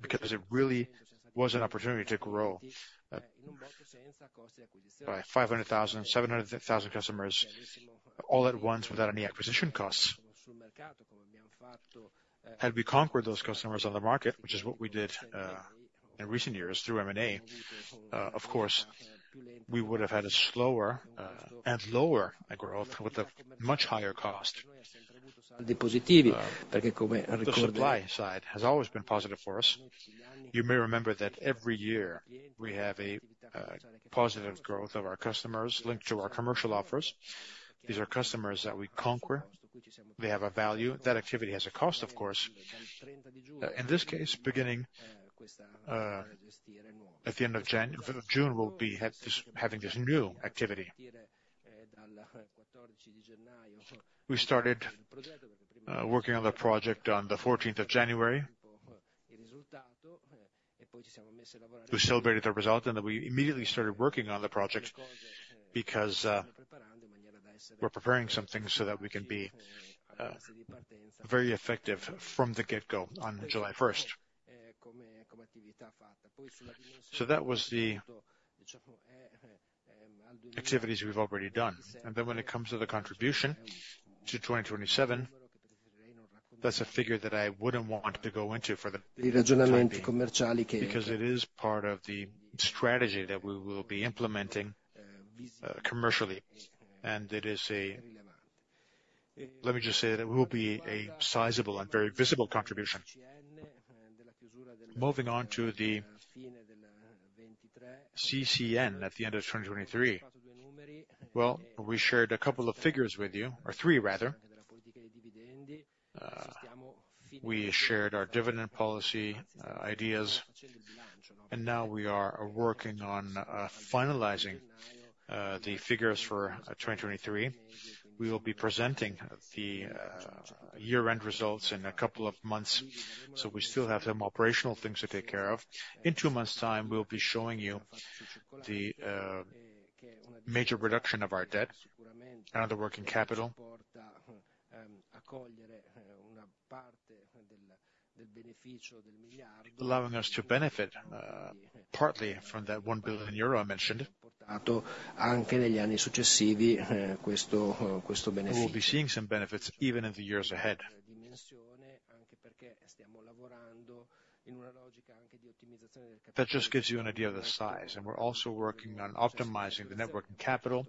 Because it really was an opportunity to grow by 500,000-700,000 customers, all at once, without any acquisition costs. Had we conquered those customers on the market, which is what we did in recent years through M&A, of course, we would have had a slower and lower growth, with a much higher cost. The supply side has always been positive for us. You may remember that every year we have a positive growth of our customers linked to our commercial offers. These are customers that we conquer. They have a value. That activity has a cost, of course. In this case, beginning at the end of Jan-June, we'll be having this new activity. We started working on the project on the fourteenth of January. We celebrated the result, and then we immediately started working on the project because we're preparing some things so that we can be very effective from the get-go on July first. So that was the activities we've already done. And then when it comes to the contribution to 2027, that's a figure that I wouldn't want to go into for the time being, because it is part of the strategy that we will be implementing, commercially. And it is a, Let me just say that it will be a sizable and very visible contribution. Moving on to the CCN at the end of 2023. Well, we shared a couple of figures with you, or three, rather. We shared our dividend policy ideas, and now we are working on finalizing the figures for 2023. We will be presenting the year-end results in a couple of months, so we still have some operational things to take care of. In two months' time, we'll be showing you the major reduction of our debt and the working capital, allowing us to benefit partly from that EUR 1 billion I mentioned. We will be seeing some benefits even in the years ahead. That just gives you an idea of the size, and we're also working on optimizing the network and capital.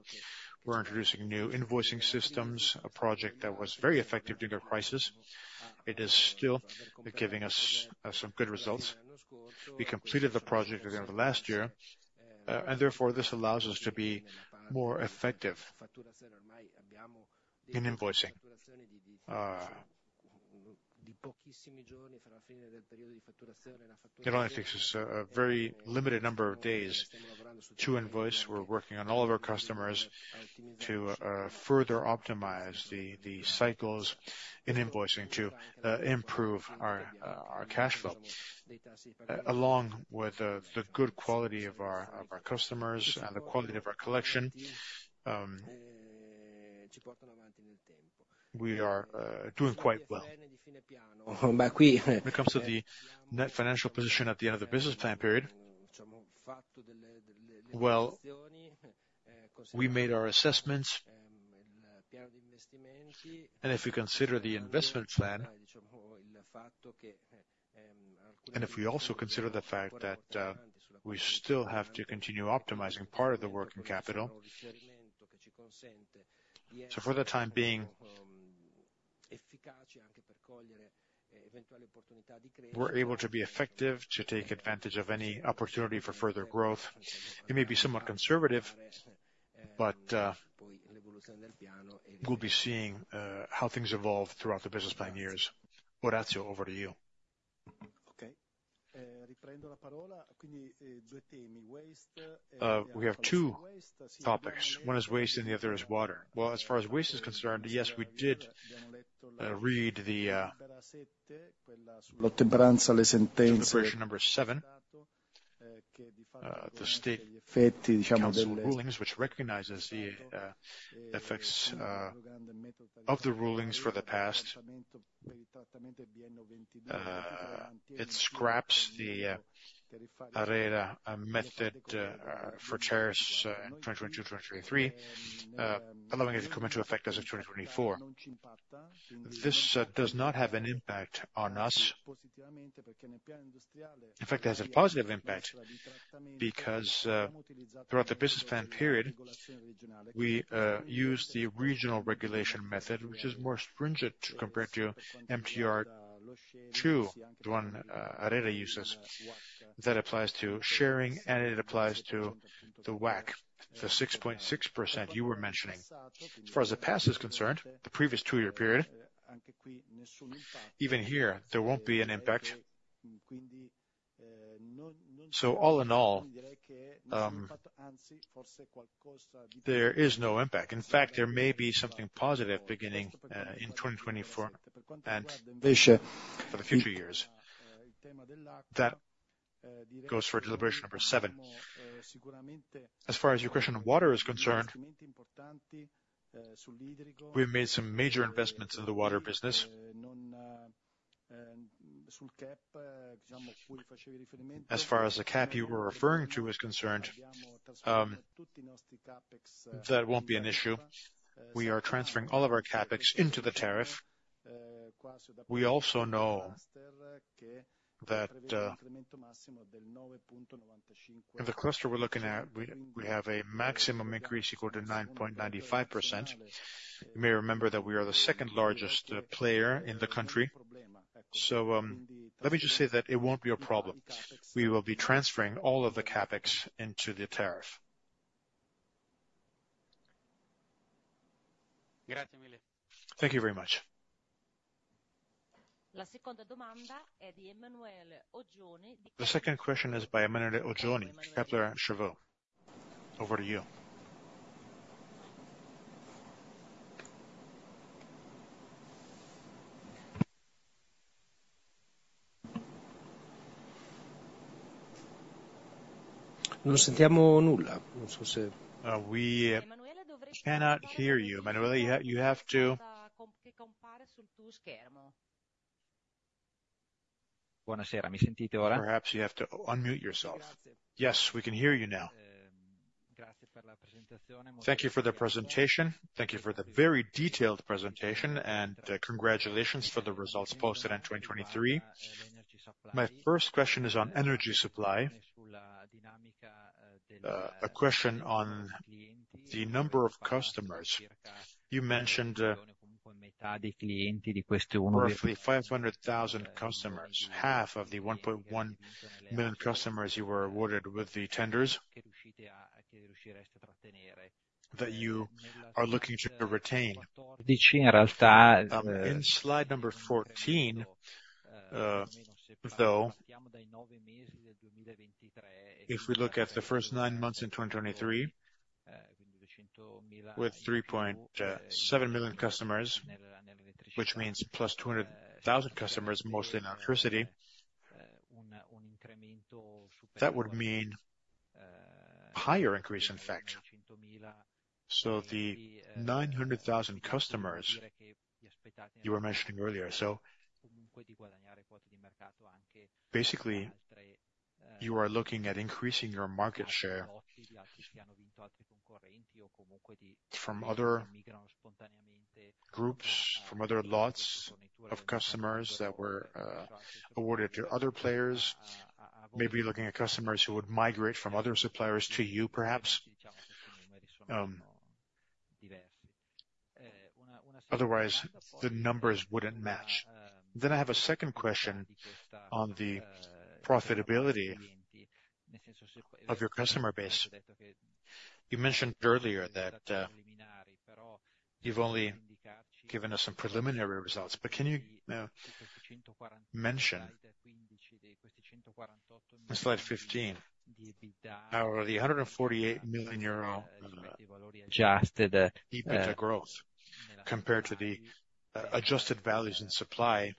We're introducing new invoicing systems, a project that was very effective during the crisis. It is still giving us some good results. We completed the project at the end of last year, and therefore, this allows us to be more effective in invoicing. It only takes us a very limited number of days to invoice. We're working on all of our customers to further optimize the cycles in invoicing, to improve our cash flow. Along with the good quality of our customers and the quality of our collection, We are doing quite well. When it comes to the net financial position at the end of the business time period, well, we made our assessments, and if you consider the investment plan, and if we also consider the fact that we still have to continue optimizing part of the working capital. So for the time being, we're able to be effective, to take advantage of any opportunity for further growth. It may be somewhat conservative, but we'll be seeing how things evolve throughout the business plan years. Orazio, over to you. Okay. We have two topics: one is waste and the other is water. Well, as far as waste is concerned, yes, we did read the deliberation number seven, the State Council rulings, which recognizes the effects of the rulings for the past. It scraps the ARERA method for waste in 2022, 2023, allowing it to come into effect as of 2024. This does not have an impact on us. In fact, it has a positive impact, because throughout the business plan period, we use the regional regulation method, which is more stringent compared to MTR-2, the one ARERA uses, that applies to waste, and it applies to the WACC, the 6.6% you were mentioning. As far as the past is concerned, the previous two-year period, even here, there won't be an impact. So all in all, there is no impact. In fact, there may be something positive beginning in 2024, and. We should. for the future years. That goes for deliberation number seven. As far as your question of water is concerned, we've made some major investments in the water business. As far as the cap you were referring to is concerned, that won't be an issue. We are transferring all of our CapEx into the tariff. We also know that, in the cluster we're looking at, we have a maximum increase equal to 9.95%. You may remember that we are the second largest player in the country. So, let me just say that it won't be a problem. We will be transferring all of the CapEx into the tariff. Thank you very much. The second question is by Emanuele Oggioni, Kepler Cheuvreux. Over to you. We cannot hear you, Emmanuel, you have to. Perhaps you have to unmute yourself. Yes, we can hear you now. Thank you for the presentation. Thank you for the very detailed presentation, and, congratulations for the results posted in 2023. My first question is on energy supply. A question on the number of customers. You mentioned, roughly 500,000 customers, half of the 1.1 million customers you were awarded with the tenders, that you are looking to retain. In slide number 14, though, if we look at the first 9 months in 2023, with 3.7 million customers, which means +200,000 customers, mostly in electricity, that would mean, higher increase in fact. So the 900,000 customers you were mentioning earlier, so basically, you are looking at increasing your market share from other groups, from other lots of customers that were awarded to other players, maybe looking at customers who would migrate from other suppliers to you, perhaps? Otherwise, the numbers wouldn't match. Then I have a second question on the profitability of your customer base. You mentioned earlier that you've only given us some preliminary results, but can you mention, in slide 15, how the 148 million euro adjusted EBITDA growth, compared to the adjusted values in supply?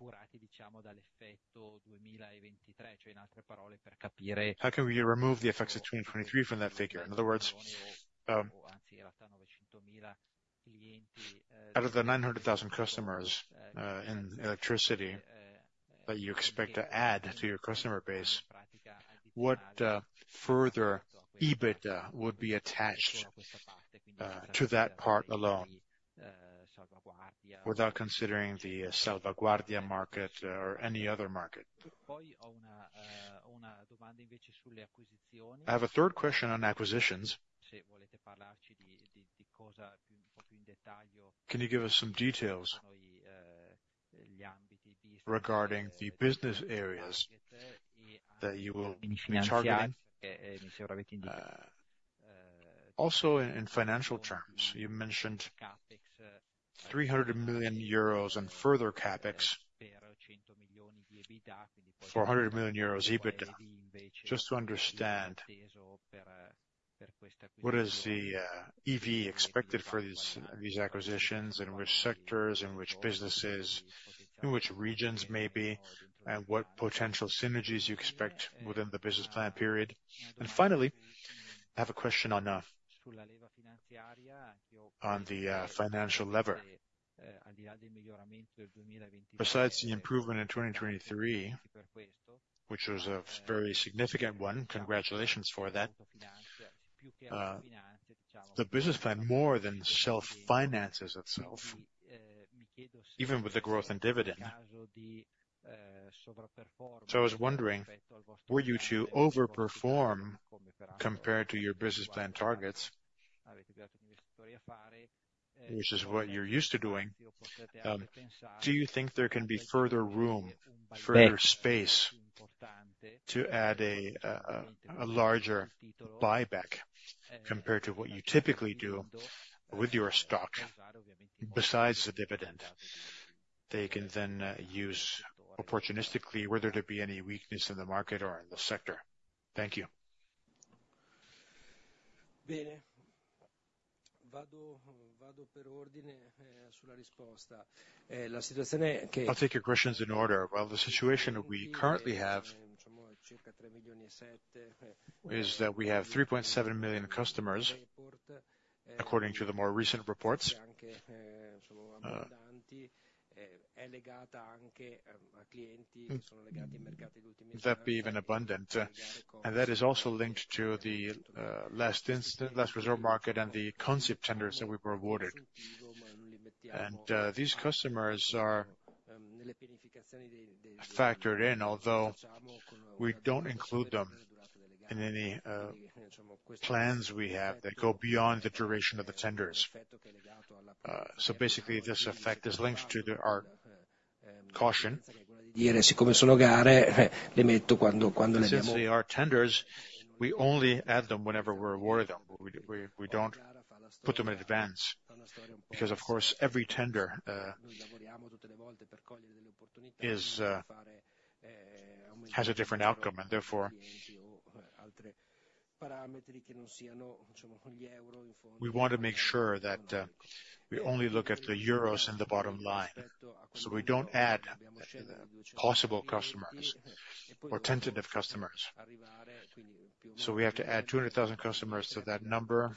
How can we remove the effects of 2023 from that figure? In other words, out of the 900,000 customers in electricity that you expect to add to your customer base, what further EBITDA would be attached to that part alone, without considering the Salvaguardia market or any other market? I have a third question on acquisitions. Can you give us some details regarding the business areas that you will be targeting? Also in financial terms, you mentioned 300 million euros and further CapEx for a 100 million euros EBITDA. Just to understand, what is the EV expected for these acquisitions, and which sectors, and which businesses, in which regions maybe, and what potential synergies you expect within the business plan period? And finally, I have a question on the financial lever. Besides the improvement in 2023, which was a very significant one, congratulations for that, the business plan, more than self-finances itself, even with the growth in dividend. So I was wondering, were you to overperform compared to your business plan targets, which is what you're used to doing, do you think there can be further room, further space, to add a, a larger buyback compared to what you typically do with your stock, besides the dividend? They can then, use opportunistically were there to be any weakness in the market or in the sector. Thank you. I'll take your questions in order. Well, the situation we currently have, is that we have 3.7 million customers, according to the more recent reports, that be even abundant. That is also linked to the last resort market and the competitive tenders that we were awarded. These customers are factored in, although we don't include them in any plans we have that go beyond the duration of the tenders. So basically, this effect is linked to our caution. And since they are tenders, we only add them whenever we're awarded them. We don't put them in advance, because, of course, every tender has a different outcome, and therefore, we want to make sure that we only look at the euros in the bottom line. So we don't add possible customers or tentative customers. So we have to add 200,000 customers to that number,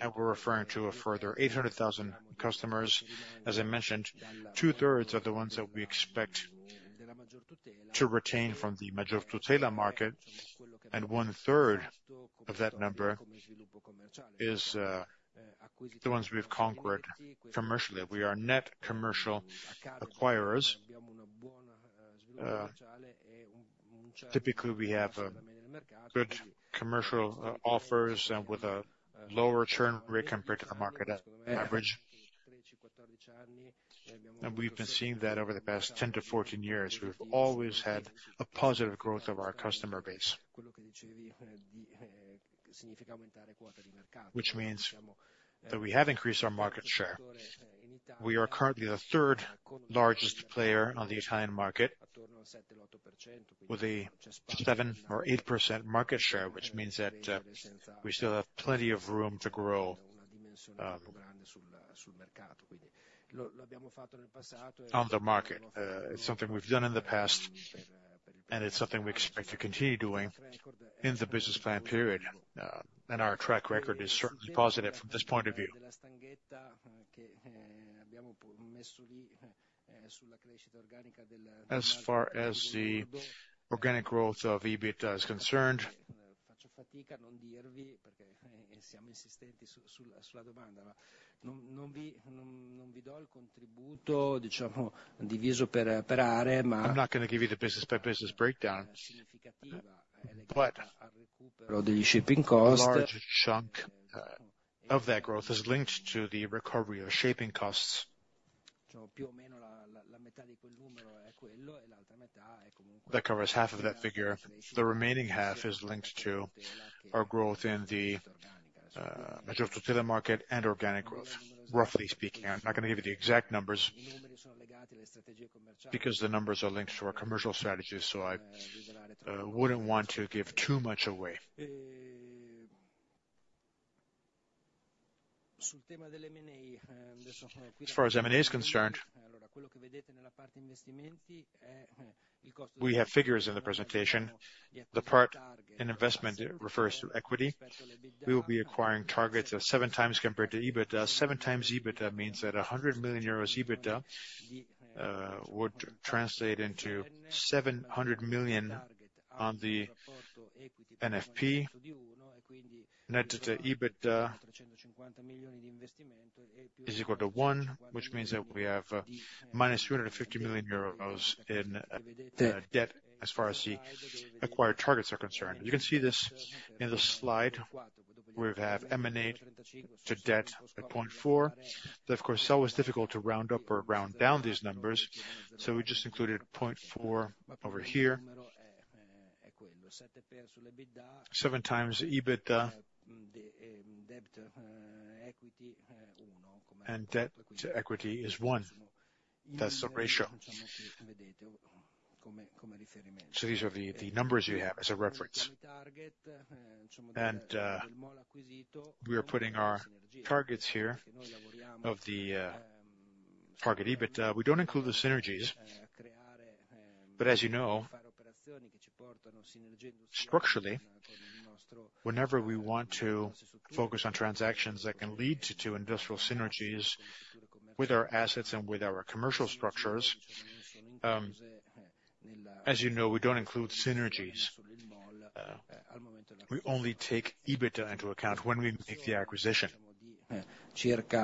and we're referring to a further 800,000 customers. As I mentioned, two-thirds are the ones that we expect to retain from the Maggior Tutela market, and one-third of that number is, the ones we've conquered commercially. We are net commercial acquirers. Typically, we have, good commercial, offers and with a lower churn rate compared to the market average. And we've been seeing that over the past 10-14 years. We've always had a positive growth of our customer base, which means that we have increased our market share. We are currently the third largest player on the Italian market, with a 7% or 8% market share, which means that, we still have plenty of room to grow, on the market. It's something we've done in the past, and it's something we expect to continue doing in the business plan period. And our track record is certainly positive from this point of view. As far as the organic growth of EBITDA is concerned, I'm not going to give you the business by business breakdown, but a large chunk of that growth is linked to the recovery of shaping costs. That covers half of that figure. The remaining half is linked to our growth in the Maggior Tutela market and organic growth, roughly speaking. I'm not going to give you the exact numbers, because the numbers are linked to our commercial strategies, so I wouldn't want to give too much away. Sul tema delle M&A, as far as M&A is concerned, we have figures in the presentation. The part in investment refers to equity. We will be acquiring targets of 7x compared to EBITDA. 7x EBITDA means that 100 million euros EBITDA would translate into 700 million on the NFP. NFP to EBITDA is equal to 1, which means that we have -350 million euros in debt, as far as the acquired targets are concerned. You can see this in the slide, where we have M&A-to-debt at 0.4. But of course, it's always difficult to round up or round down these numbers, so we just included 0.4 over here. 7x EBITDA, debt, equity, and debt-to-equity is 1. That's the ratio. So these are the numbers you have as a reference. We are putting our targets here of the target EBITDA. We don't include the synergies, but as you know, structurally, whenever we want to focus on transactions that can lead to two industrial synergies with our assets and with our commercial structures, as you know, we don't include synergies. We only take EBITDA into account when we make the acquisition. The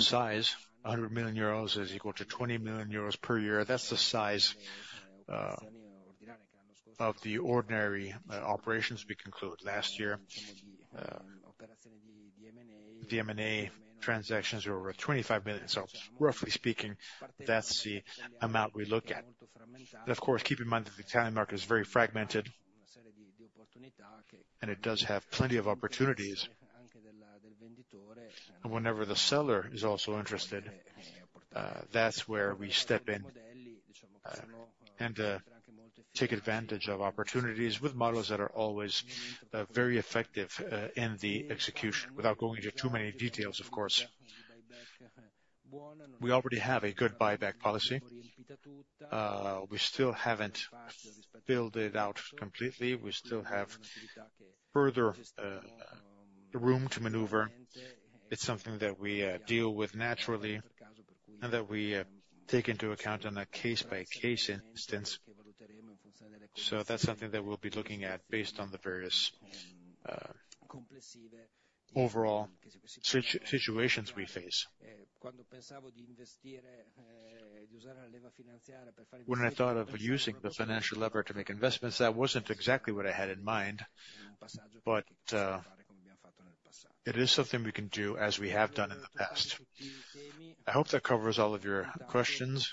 size, 100 million euros is equal to 20 million euros per year. That's the size of the ordinary operations we concluded last year. The M&A transactions were over 25 million. So roughly speaking, that's the amount we look at. But of course, keep in mind that the Italian market is very fragmented, and it does have plenty of opportunities. And whenever the seller is also interested, that's where we step in, and take advantage of opportunities with models that are always very effective in the execution, without going into too many details, of course. We already have a good buyback policy. We still haven't filled it out completely. We still have further room to maneuver. It's something that we deal with naturally, and that we take into account on a case-by-case instance. So that's something that we'll be looking at based on the various overall situations we face. When I thought of using the financial lever to make investments, that wasn't exactly what I had in mind, but it is something we can do, as we have done in the past. I hope that covers all of your questions.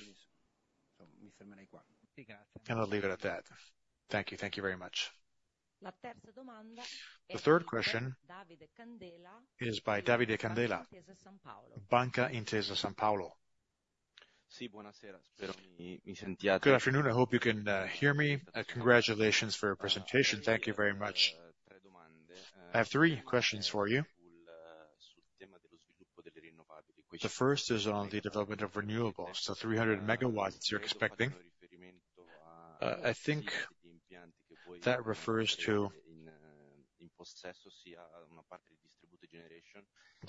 I'll leave it at that. Thank you. Thank you very much. The third question is by Davide Candela, Intesa Sanpaolo. Good afternoon. I hope you can hear me. Congratulations for your presentation. Thank you very much. I have 3 questions for you. The first is on the development of renewables, so 300 megawatts you're expecting. I think that refers to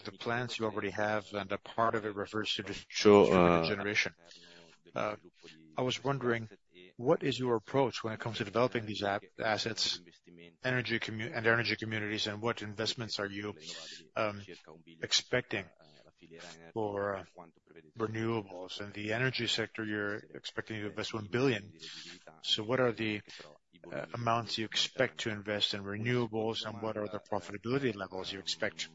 the plans you already have, and a part of it refers to the solar generation. I was wondering, what is your approach when it comes to developing these assets, energy communities, and what investments are you expecting for renewables? In the energy sector, you're expecting to invest 1 billion. So what are the amounts you expect to invest in renewables, and what are the profitability levels you expect?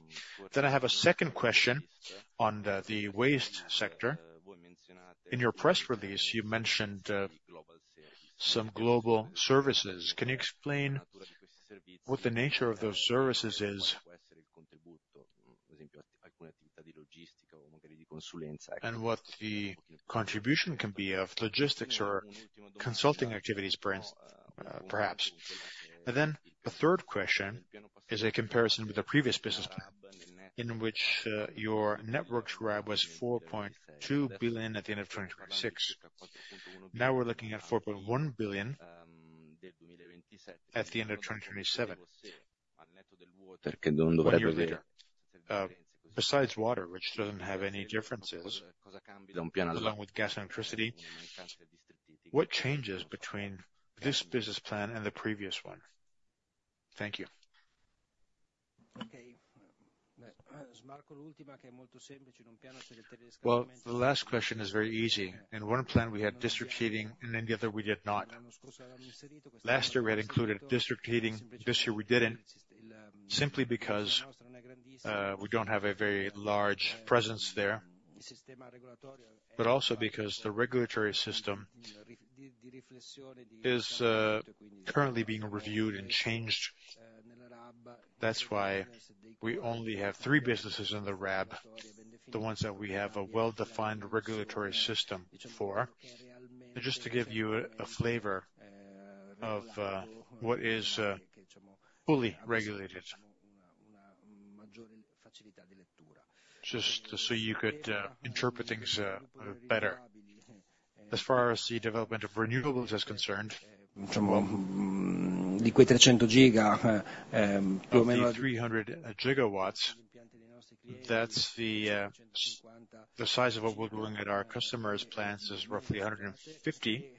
Then I have a second question on the waste sector. In your press release, you mentioned some global services. Can you explain what the nature of those services is? And what the contribution can be of logistics or consulting activities brands, perhaps. And then the third question is a comparison with the previous business plan, in which your network's RAB was 4.2 billion at the end of 2026. Now we're looking at 4.1 billion at the end of 2027. Besides water, which doesn't have any differences, along with gas and electricity, what changes between this business plan and the previous one? Thank you. Okay. Well, the last question is very easy. In one plan, we had district heating, and in the other, we did not. Last year, we had included district heating, this year we didn't, simply because we don't have a very large presence there, but also because the regulatory system is currently being reviewed and changed. That's why we only have three businesses in the RAB, the ones that we have a well-defined regulatory system for. Just to give you a flavor of what is fully regulated. Just so you could interpret things better. As far as the development of renewables is concerned, of the 300 GW, that's the size of what we're doing at our customers' plants is roughly 150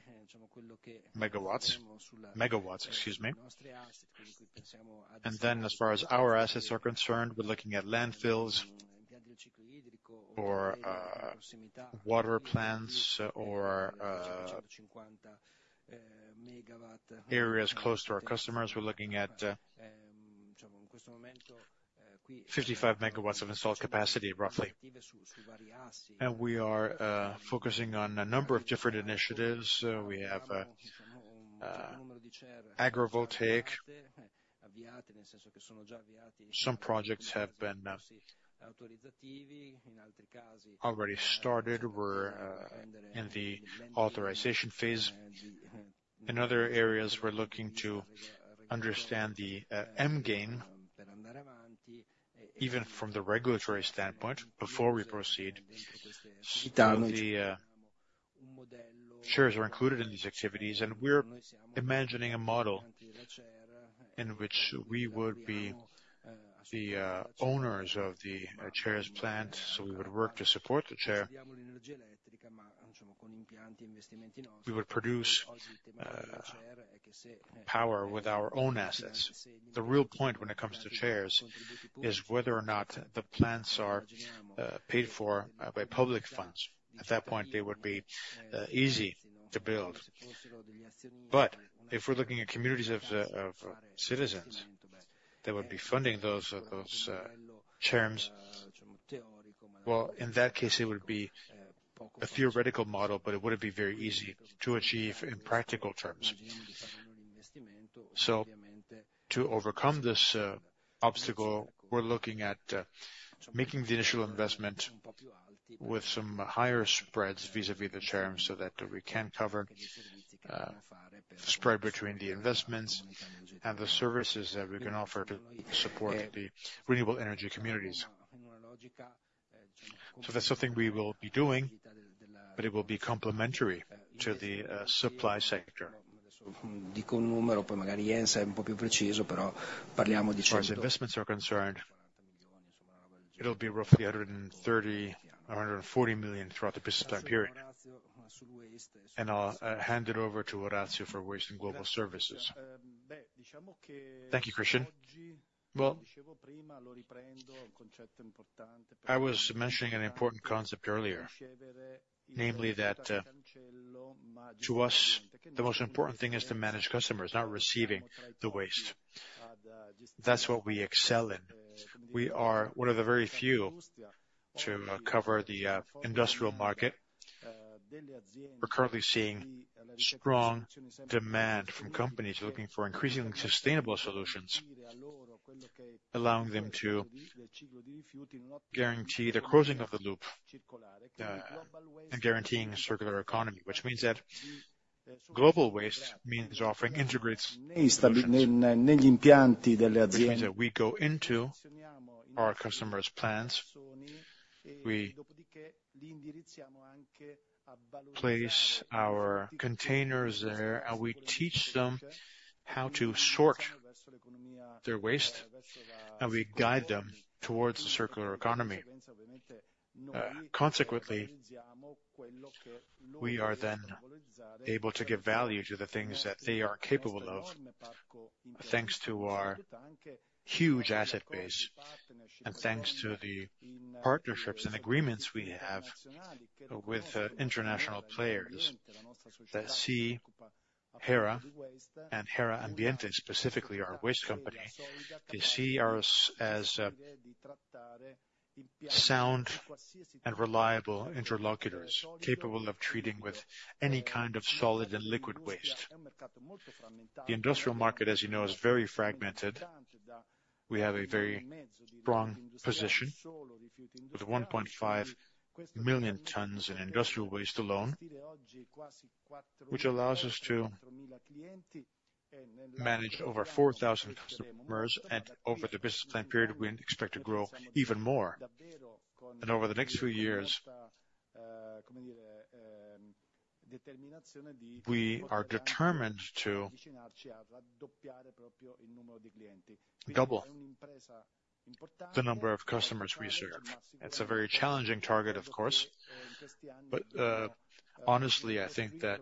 MW. Megawatts, excuse me. And then as far as our assets are concerned, we're looking at landfills, or water plants, or areas close to our customers. We're looking at 55 megawatts of installed capacity, roughly. We are focusing on a number of different initiatives. We have agrivoltaic. Some projects have been already started, we're in the authorization phase. In other areas, we're looking to understand the margin, even from the regulatory standpoint, before we proceed. The greenhouses are included in these activities, and we're imagining a model in which we would be the owners of the greenhouses plant, so we would work to support the greenhouse. We would produce power with our own assets. The real point when it comes to greenhouses is whether or not the plants are paid for by public funds. At that point, they would be easy to build. But if we're looking at communities of, of, citizens, they would be funding those, those, CERs. Well, in that case, it would be a theoretical model, but it wouldn't be very easy to achieve in practical terms. So to overcome this, obstacle, we're looking at, making the initial investment with some higher spreads vis-a-vis the CERs, so that we can cover, the spread between the investments and the services that we can offer to support the renewable energy communities. So that's something we will be doing, but it will be complementary to the, supply sector. As far as investments are concerned, it'll be roughly 130 million-140 million throughout the business time period. And I'll, hand it over to Orazio for Waste and Global Services. Thank you, Christian. Well, I was mentioning an important concept earlier, namely that, to us, the most important thing is to manage customers, not receiving the waste. That's what we excel in. We are one of the very few to cover the industrial market. We're currently seeing strong demand from companies looking for increasingly sustainable solutions, allowing them to guarantee the closing of the loop, and guaranteeing circular economy. Which means that global waste means offering integrated solutions. Which means that we go into our customers' plants, we place our containers there, and we teach them how to sort their waste, and we guide them towards the circular economy. Consequently, we are then able to give value to the things that they are capable of, thanks to our huge asset base, and thanks to the partnerships and agreements we have with international players that see Hera and Hera Ambiente, specifically our waste company. They see us as sound and reliable interlocutors, capable of treating with any kind of solid and liquid waste. The industrial market, as you know, is very fragmented. We have a very strong position with 1.5 million tons in industrial waste alone, which allows us to manage over 4,000 customers, and over the business plan period, we expect to grow even more. Over the next few years, we are determined to double the number of customers we serve. It's a very challenging target, of course, but honestly, I think that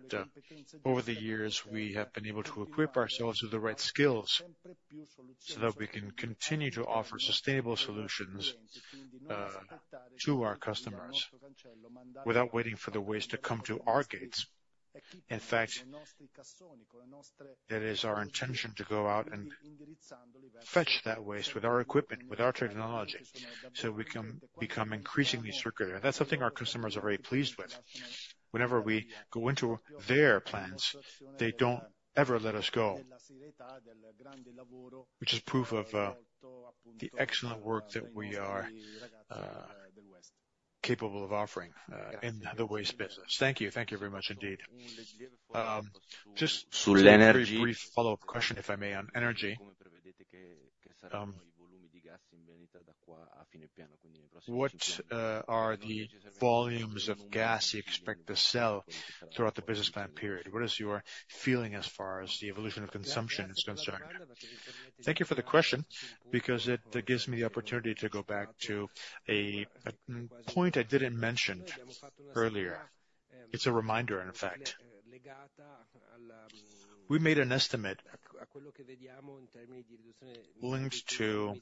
over the years, we have been able to equip ourselves with the right skills so that we can continue to offer sustainable solutions to our customers, without waiting for the waste to come to our gates. In fact, it is our intention to go out and fetch that waste with our equipment, with our technology, so we can become increasingly circular. That's something our customers are very pleased with. Whenever we go into their plants, they don't ever let us go. Which is proof of the excellent work that we are capable of offering in the waste business. Thank you. Thank you very much, indeed. So, energy, a very brief follow-up question, if I may, on energy. What are the volumes of gas you expect to sell throughout the business plan period? What is your feeling as far as the evolution of consumption is concerned? Thank you for the question, because it gives me the opportunity to go back to a point I didn't mention earlier. It's a reminder, in fact. We made an estimate linked to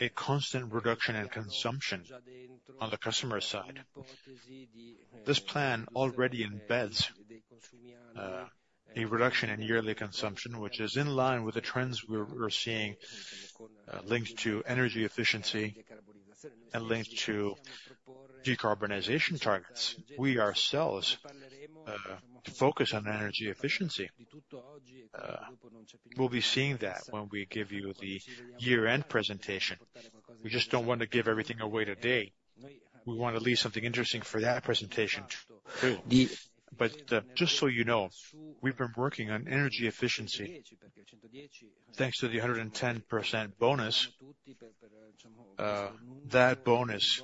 a constant reduction in consumption on the customer side. This plan already embeds a reduction in yearly consumption, which is in line with the trends we're seeing, linked to energy efficiency and linked to decarbonization targets. We ourselves focus on energy efficiency. We'll be seeing that when we give you the year-end presentation. We just don't want to give everything away today. We want to leave something interesting for that presentation, too. But, just so you know, we've been working on energy efficiency. Thanks to the 110% bonus, that bonus.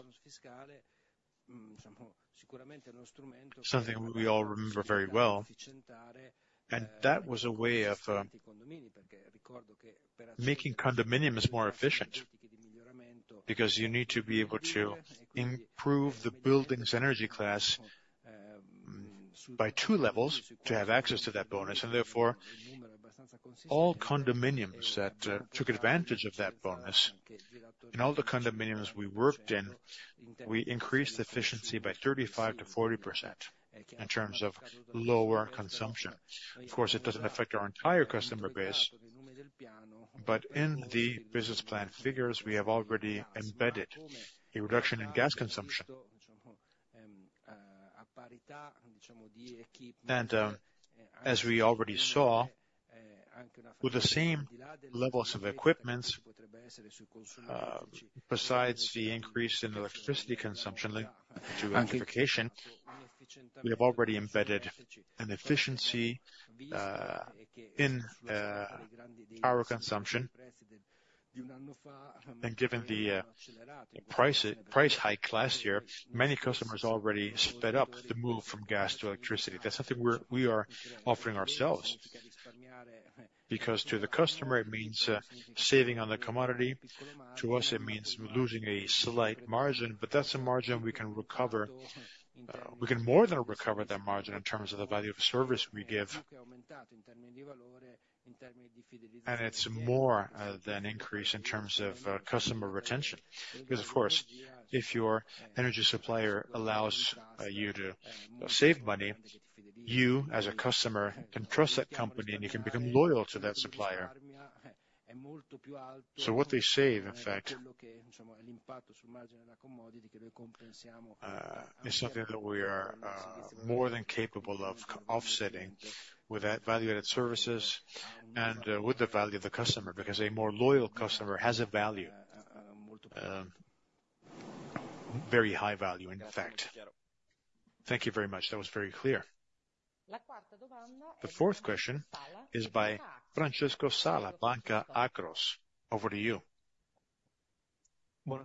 Something we all remember very well, and that was a way of, making condominiums more efficient, because you need to be able to improve the building's energy class, by two levels to have access to that bonus, and therefore, all condominiums that, took advantage of that bonus, in all the condominiums we worked in, we increased efficiency by 35%-40% in terms of lower consumption. Of course, it doesn't affect our entire customer base, but in the business plan figures, we have already embedded a reduction in gas consumption. And, as we already saw, with the same levels of equipment, besides the increase in electricity consumption linked to electrification, we have already embedded an efficiency, in, our consumption. Given the price, price hike last year, many customers already sped up the move from gas to electricity. That's something we're, we are offering ourselves, because to the customer, it means saving on the commodity. To us, it means losing a slight margin, but that's a margin we can recover. We can more than recover that margin in terms of the value of service we give. And it's more than increase in terms of customer retention, because, of course, if your energy supplier allows you to save money, you, as a customer, can trust that company, and you can become loyal to that supplier. So what they save, in fact, is something that we are more than capable of offsetting with that value-added services and with the value of the customer, because a more loyal customer has a value very high value, in fact. Thank you very much. That was very clear. The fourth question is by Francesco Sala, Banca Akros. Over to you. Good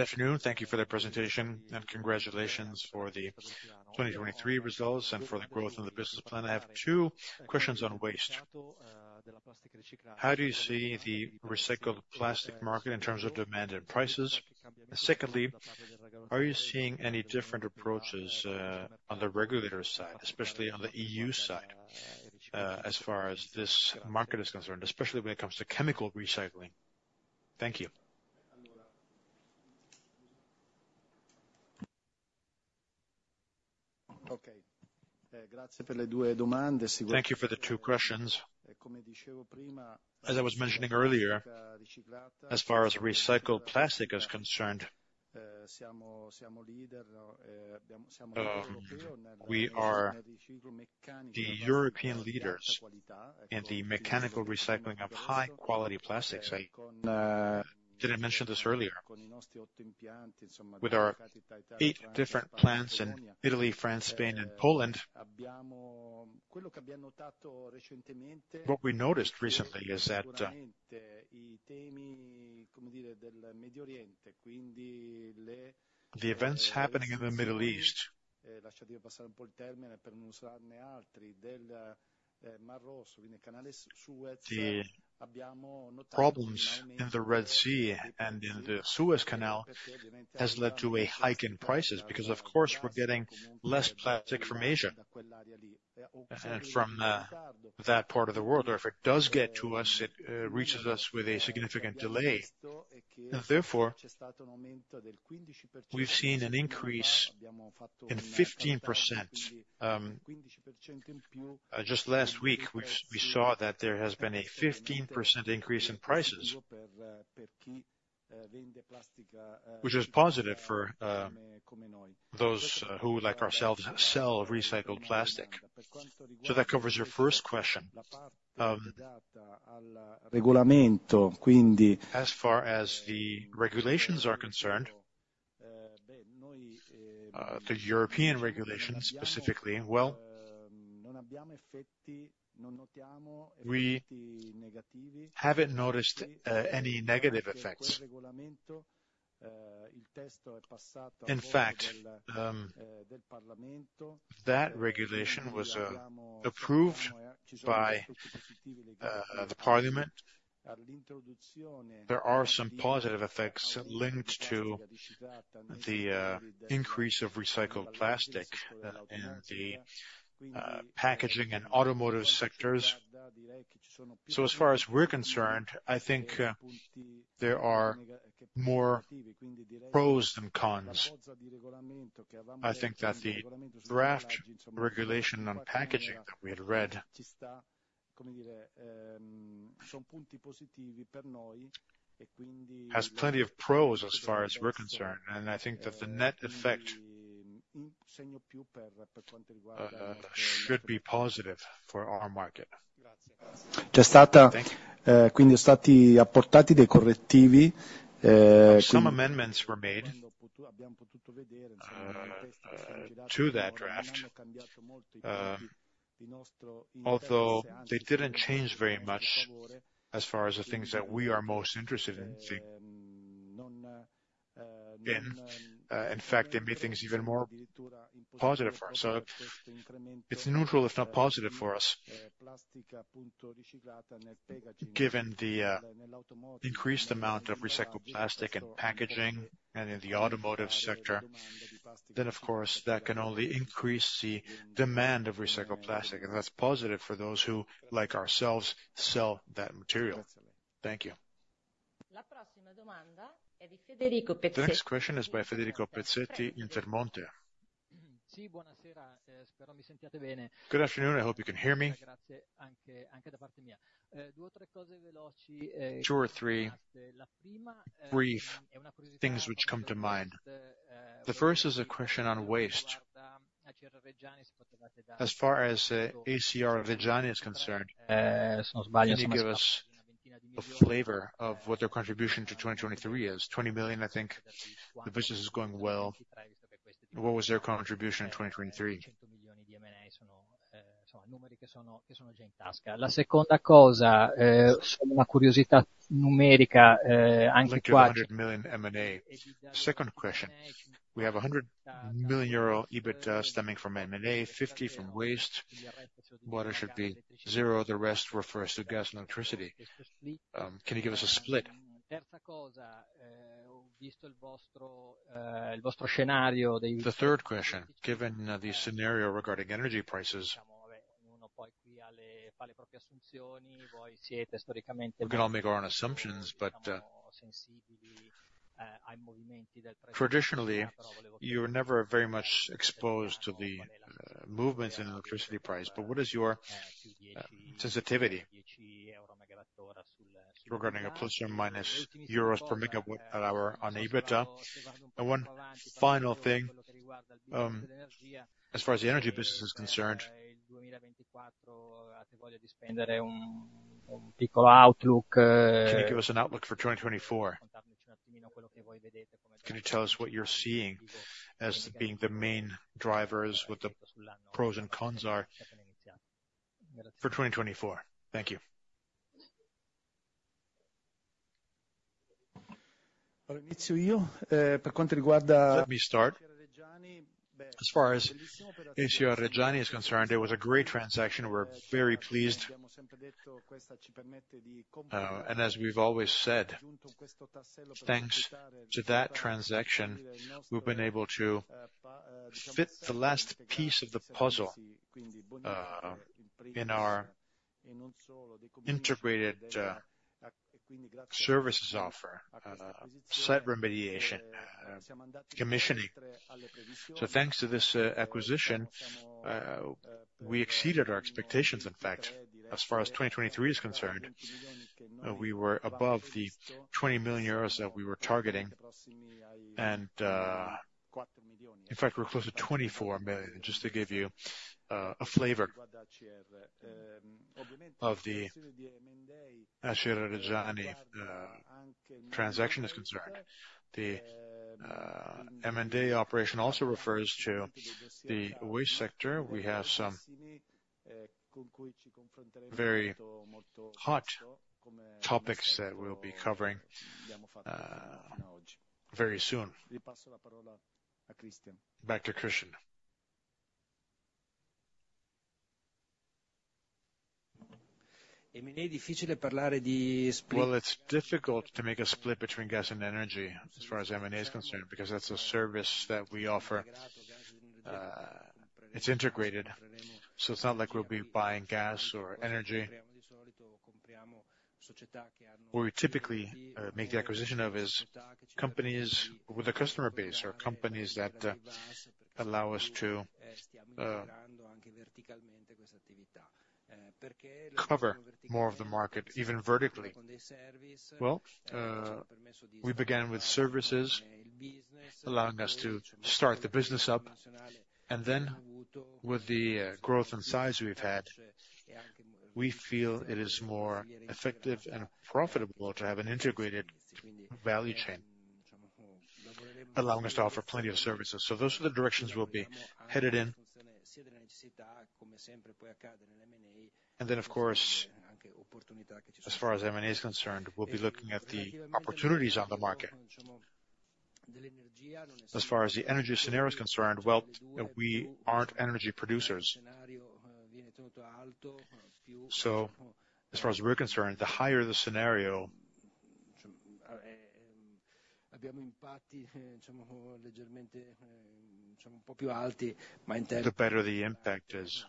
afternoon, thank you for the presentation, and congratulations for the 2023 results and for the growth in the business plan. I have two questions on waste. How do you see the recycled plastic market in terms of demand and prices? And secondly, are you seeing any different approaches on the regulator side, especially on the EU side, as far as this market is concerned, especially when it comes to chemical recycling? Thank you. Thank you for the two questions. As I was mentioning earlier, as far as recycled plastic is concerned, we are the European leaders in the mechanical recycling of high-quality plastics. I didn't mention this earlier. With our eight different plants in Italy, France, Spain, and Poland, what we noticed recently is that the events happening in the Middle East, the problems in the Red Sea and in the Suez Canal, has led to a hike in prices, because, of course, we're getting less plastic from Asia and from that part of the world, or if it does get to us, it reaches us with a significant delay. And therefore, we've seen an increase in 15%. Just last week, we saw that there has been a 15% increase in prices, which is positive for those who, like ourselves, sell recycled plastic. So that covers your first question. As far as the regulations are concerned, the European regulations, specifically, we haven't noticed any negative effects. In fact, that regulation was approved by the parliament. There are some positive effects linked to the increase of recycled plastic in the packaging and automotive sectors. So as far as we're concerned, I think there are more pros than cons. I think that the draft regulation on packaging that we had read has plenty of pros as far as we're concerned, and I think that the net effect should be positive for our market. Thank you. Some amendments were made to that draft, although they didn't change very much as far as the things that we are most interested in. In fact, they made things even more positive for us, so it's neutral, if not positive for us. Given the increased amount of recycled plastic and packaging and in the automotive sector, then of course, that can only increase the demand of recycled plastic, and that's positive for those who, like ourselves, sell that material. Thank you. The next question is by Federico Pezzetti, Intermonte. Si, Buonasera. Good afternoon, I hope you can hear me. Two or three brief things which come to mind. The first is a question on waste. As far as ACR Reggiani is concerned, can you give us a flavor of what their contribution to 2023 is? 20 million, I think the business is going well. What was their contribution in 2023? Like a EUR 100 million M&A. Second question: We have a 100 million euro EBIT stemming from M&A, 50 from waste. Water should be zero, the rest refers to gas and electricity. Can you give us a split? The third question, given the scenario regarding energy prices, we can all make our own assumptions, but traditionally, you're never very much exposed to the movements in electricity price, but what is your sensitivity regarding a ± EUR per megawatt hour on the EBITDA? And one final thing, as far as the energy business is concerned, can you give us an outlook for 2024? Can you tell us what you're seeing as being the main drivers, what the pros and cons are for 2024? Thank you. Let me start. As far as ACR Reggiani is concerned, it was a great transaction. We're very pleased. And as we've always said, thanks to that transaction, we've been able to fit the last piece of the puzzle in our integrated services offer, site remediation, decommissioning. So thanks to this acquisition, we exceeded our expectations, in fact. As far as 2023 is concerned, we were above the 20 million euros that we were targeting, and, in fact, we're close to 24 million, just to give you a flavor of the ACR Reggiani transaction is concerned. The M&A operation also refers to the waste sector. We have some very hot topics that we'll be covering very soon. Back to Christian. Well, it's difficult to make a split between gas and energy as far as M&A is concerned, because that's a service that we offer. It's integrated, so it's not like we'll be buying gas or energy. What we typically make the acquisition of is companies with a customer base or companies that allow us to cover more of the market, even vertically. Well, we began with services, allowing us to start the business up, and then with the growth and size we've had, we feel it is more effective and profitable to have an integrated value chain, allowing us to offer plenty of services. So those are the directions we'll be headed in. And then, of course, as far as M&A is concerned, we'll be looking at the opportunities on the market. As far as the energy scenario is concerned, well, we aren't energy producers. So as far as we're concerned, the higher the scenario, the better the impact is.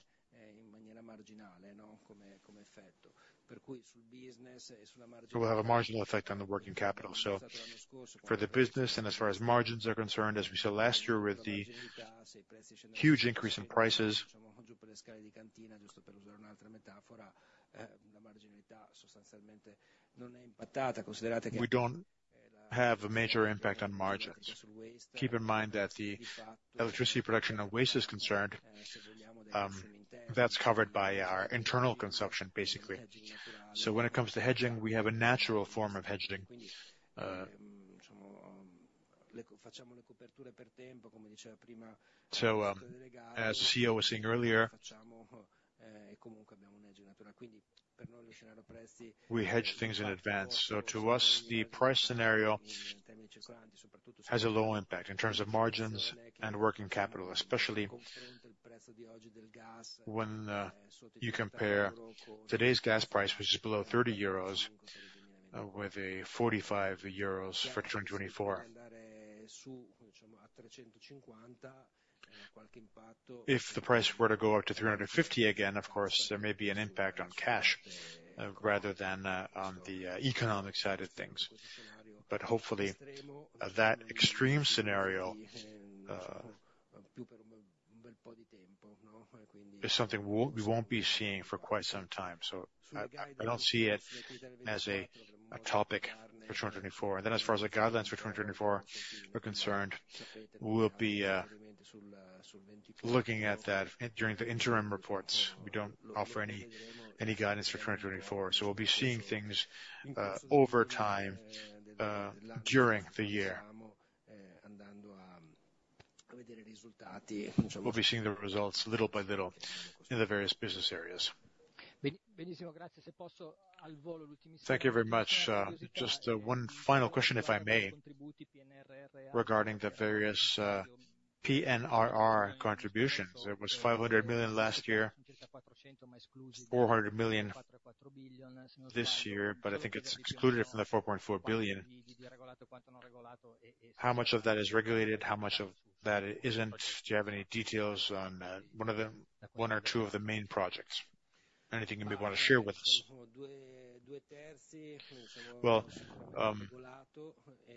It will have a marginal effect on the working capital, so for the business, and as far as margins are concerned, as we saw last year, with the huge increase in prices, we don't have a major impact on margins. Keep in mind that the electricity production and waste is concerned, that's covered by our internal consumption, basically. So when it comes to hedging, we have a natural form of hedging. So, as the CEO was saying earlier, we hedge things in advance. So to us, the price scenario has a low impact in terms of margins and working capital, especially when you compare today's gas price, which is below 30 euros, with 45 euros for 2024. If the price were to go up to 350 again, of course, there may be an impact on cash, rather than on the economic side of things. But hopefully, that extreme scenario is something we won't be seeing for quite some time, so I don't see it as a topic for 2024. Then as far as the guidelines for 2024 are concerned, we'll be looking at that during the interim reports. We don't offer any guidance for 2024, so we'll be seeing things over time during the year. We'll be seeing the results little by little in the various business areas. Thank you very much. Just one final question, if I may, regarding the various PNRR contributions. It was 500 million last year, 400 million this year, but I think it's excluded from the 4.4 billion. How much of that is regulated? How much of that isn't? Do you have any details on one or two of the main projects? Anything you may want to share with us? Well,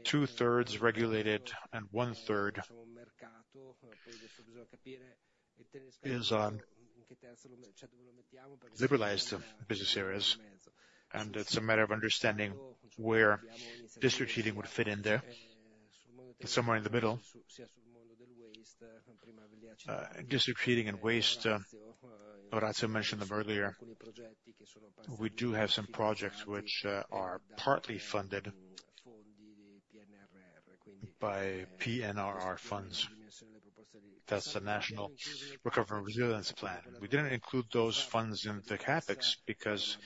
two-thirds regulated and one-third is on liberalized business areas, and it's a matter of understanding where district heating would fit in there. It's somewhere in the middle. District heating and waste, Orazio mentioned them earlier. We do have some projects which are partly funded by PNRR funds. That's the National Recovery and Resilience Plan. We didn't include those funds in the CapEx because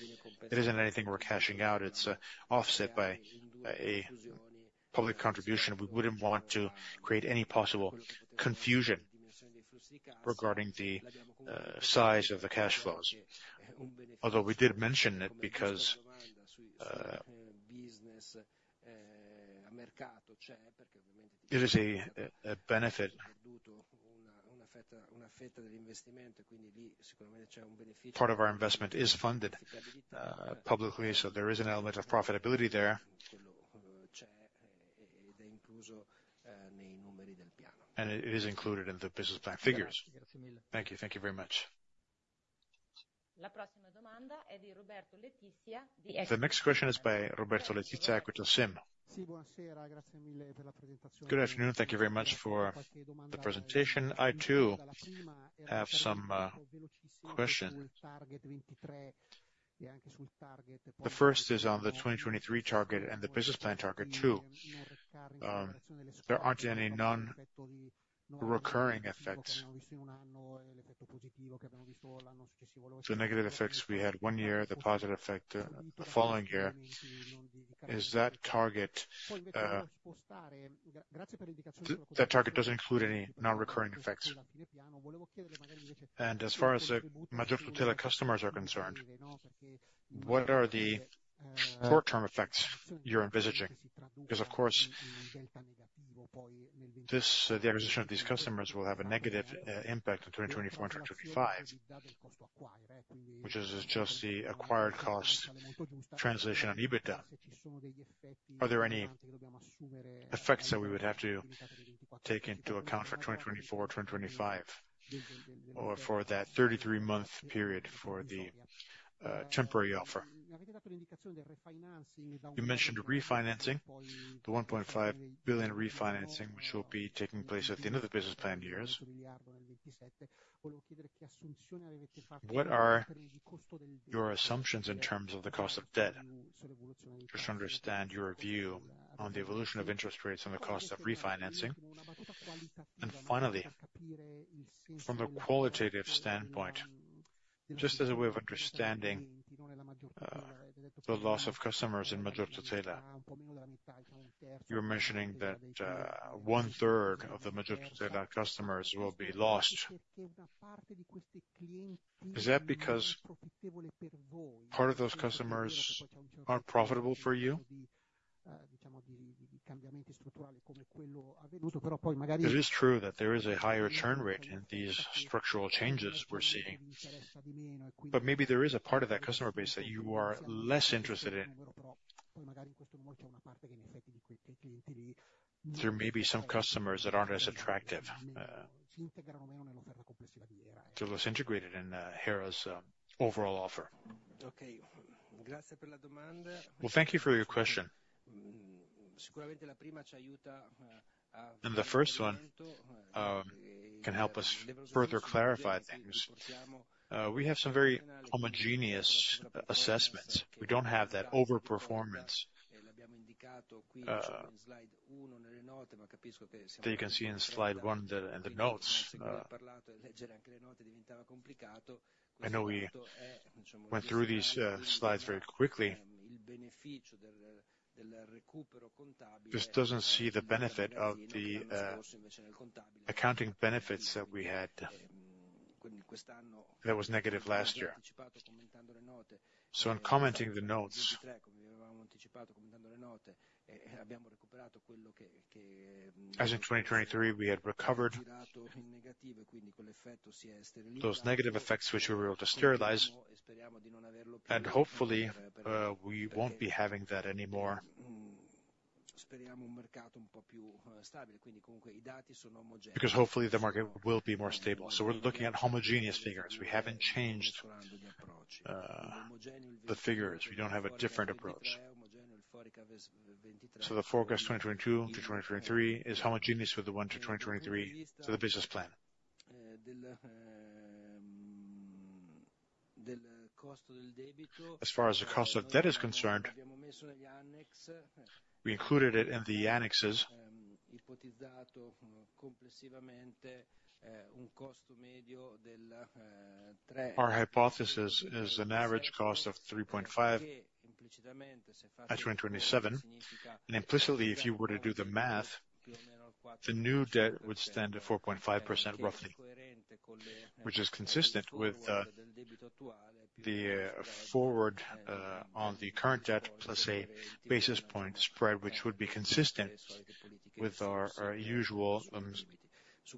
it isn't anything we're cashing out, it's offset by a public contribution. We wouldn't want to create any possible confusion regarding the size of the cash flows. Although we did mention it, because it is a benefit. Part of our investment is funded publicly, so there is an element of profitability there. And it is included in the business plan figures. Thank you. Thank you very much. The next question is by Roberto Letizia, Equita SIM. Good afternoon, thank you very much for the presentation. I, too, have some question. The first is on the 2023 target and the business plan target, too. There aren't any non-recurring effects. The negative effects, we had one year, the positive effect, the following year. Is that target. That target doesn't include any non-recurring effects. And as far as the majority of the customers are concerned, what are the short-term effects you're envisaging? Because, of course, this, the acquisition of these customers will have a negative impact in 2024 and 2025, which is just the acquired cost translation on EBITDA. Are there any effects that we would have to take into account for 2024, 2025? or for that 33-month period for the temporary offer. You mentioned refinancing, the 1.5 billion refinancing, which will be taking place at the end of the business plan years. What are your assumptions in terms of the cost of debt? Just to understand your view on the evolution of interest rates and the cost of refinancing. And finally, from a qualitative standpoint, just as a way of understanding, the loss of customers in Maggior Tutela, you're mentioning that, one-third of the Maggior Tutela customers will be lost. Is that because part of those customers aren't profitable for you? It is true that there is a higher churn rate in these structural changes we're seeing, but maybe there is a part of that customer base that you are less interested in. There may be some customers that aren't as attractive, they're less integrated in, Hera's, overall offer. Well, thank you for your question. And the first one can help us further clarify things. We have some very homogeneous assessments. We don't have that over-performance that you can see in slide one, the in the notes. I know we went through these slides very quickly. This doesn't see the benefit of the accounting benefits that we had, that was negative last year. So in commenting the notes, as in 2023, we had recovered those negative effects, which we were able to sterilize, and hopefully we won't be having that anymore. Because hopefully, the market will be more stable, so we're looking at homogeneous figures. We haven't changed the figures. We don't have a different approach. So the forecast 2022 to 2023 is homogeneous with the 2021 to 2023, so the business plan. As far as the cost of debt is concerned, we included it in the annexes. Our hypothesis is an average cost of 3.5 at 2027, and implicitly, if you were to do the math, the new debt would stand at 4.5%, roughly. Which is consistent with the forward on the current debt, plus a basis point spread, which would be consistent with our, our usual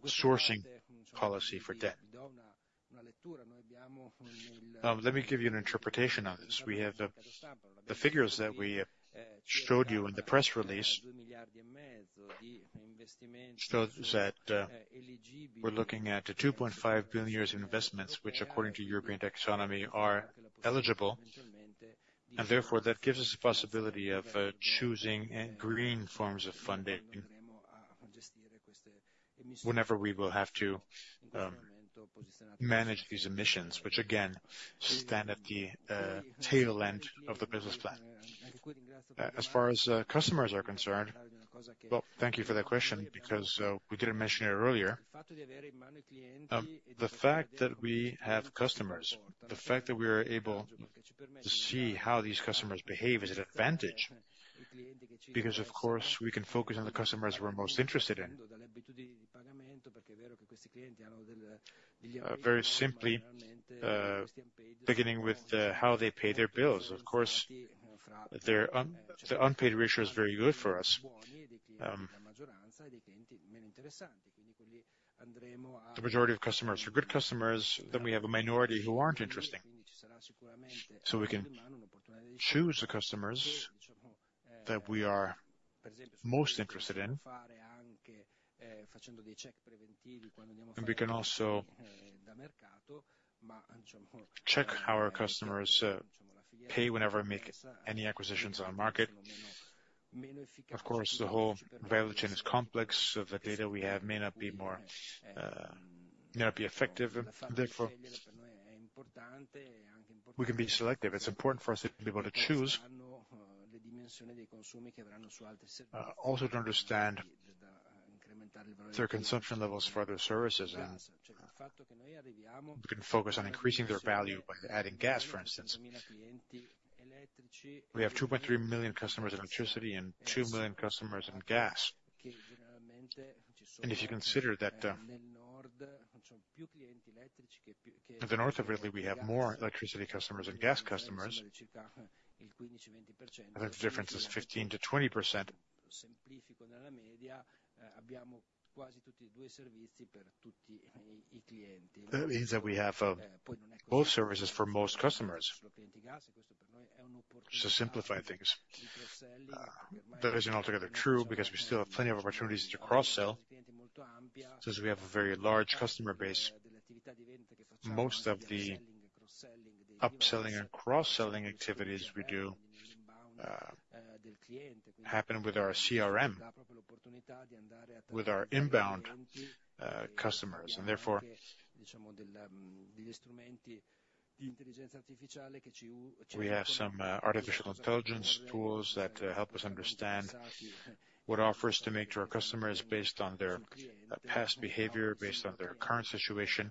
sourcing policy for debt. Let me give you an interpretation of this. We have the, the figures that we showed you in the press release, shows that we're looking at 2.5 billion in investments, which, according to European taxonomy, are eligible, and therefore, that gives us a possibility of choosing green forms of funding whenever we will have to manage these investments, which again, stand at the tail end of the business plan. As far as customers are concerned. Well, thank you for that question, because we didn't mention it earlier. The fact that we have customers, the fact that we are able to see how these customers behave, is an advantage, because, of course, we can focus on the customers we're most interested in. Very simply, beginning with how they pay their bills. Of course, their unpaid ratio is very good for us. The majority of customers are good customers, then we have a minority who aren't interesting. So we can choose the customers that we are most interested in, and we can also check how our customers pay whenever we make any acquisitions on the market. Of course, the whole value chain is complex, so the data we have may not be more effective, and therefore, we can be selective. It's important for us to be able to choose, also to understand their consumption levels for other services, and we can focus on increasing their value by adding gas, for instance. We have 2.3 million customers in electricity and 2 million customers in gas, and if you consider that, in the north of Italy, we have more electricity customers than gas customers, and the difference is 15%-20%. That means that we have both services for most customers. Just to simplify things, that isn't altogether true, because we still have plenty of opportunities to cross-sell, since we have a very large customer base. Most of the upselling and cross-selling activities we do happen with our CRM, with our inbound customers, and therefore, we have some artificial intelligence tools that help us understand what offers to make to our customers based on their past behavior, based on their current situation.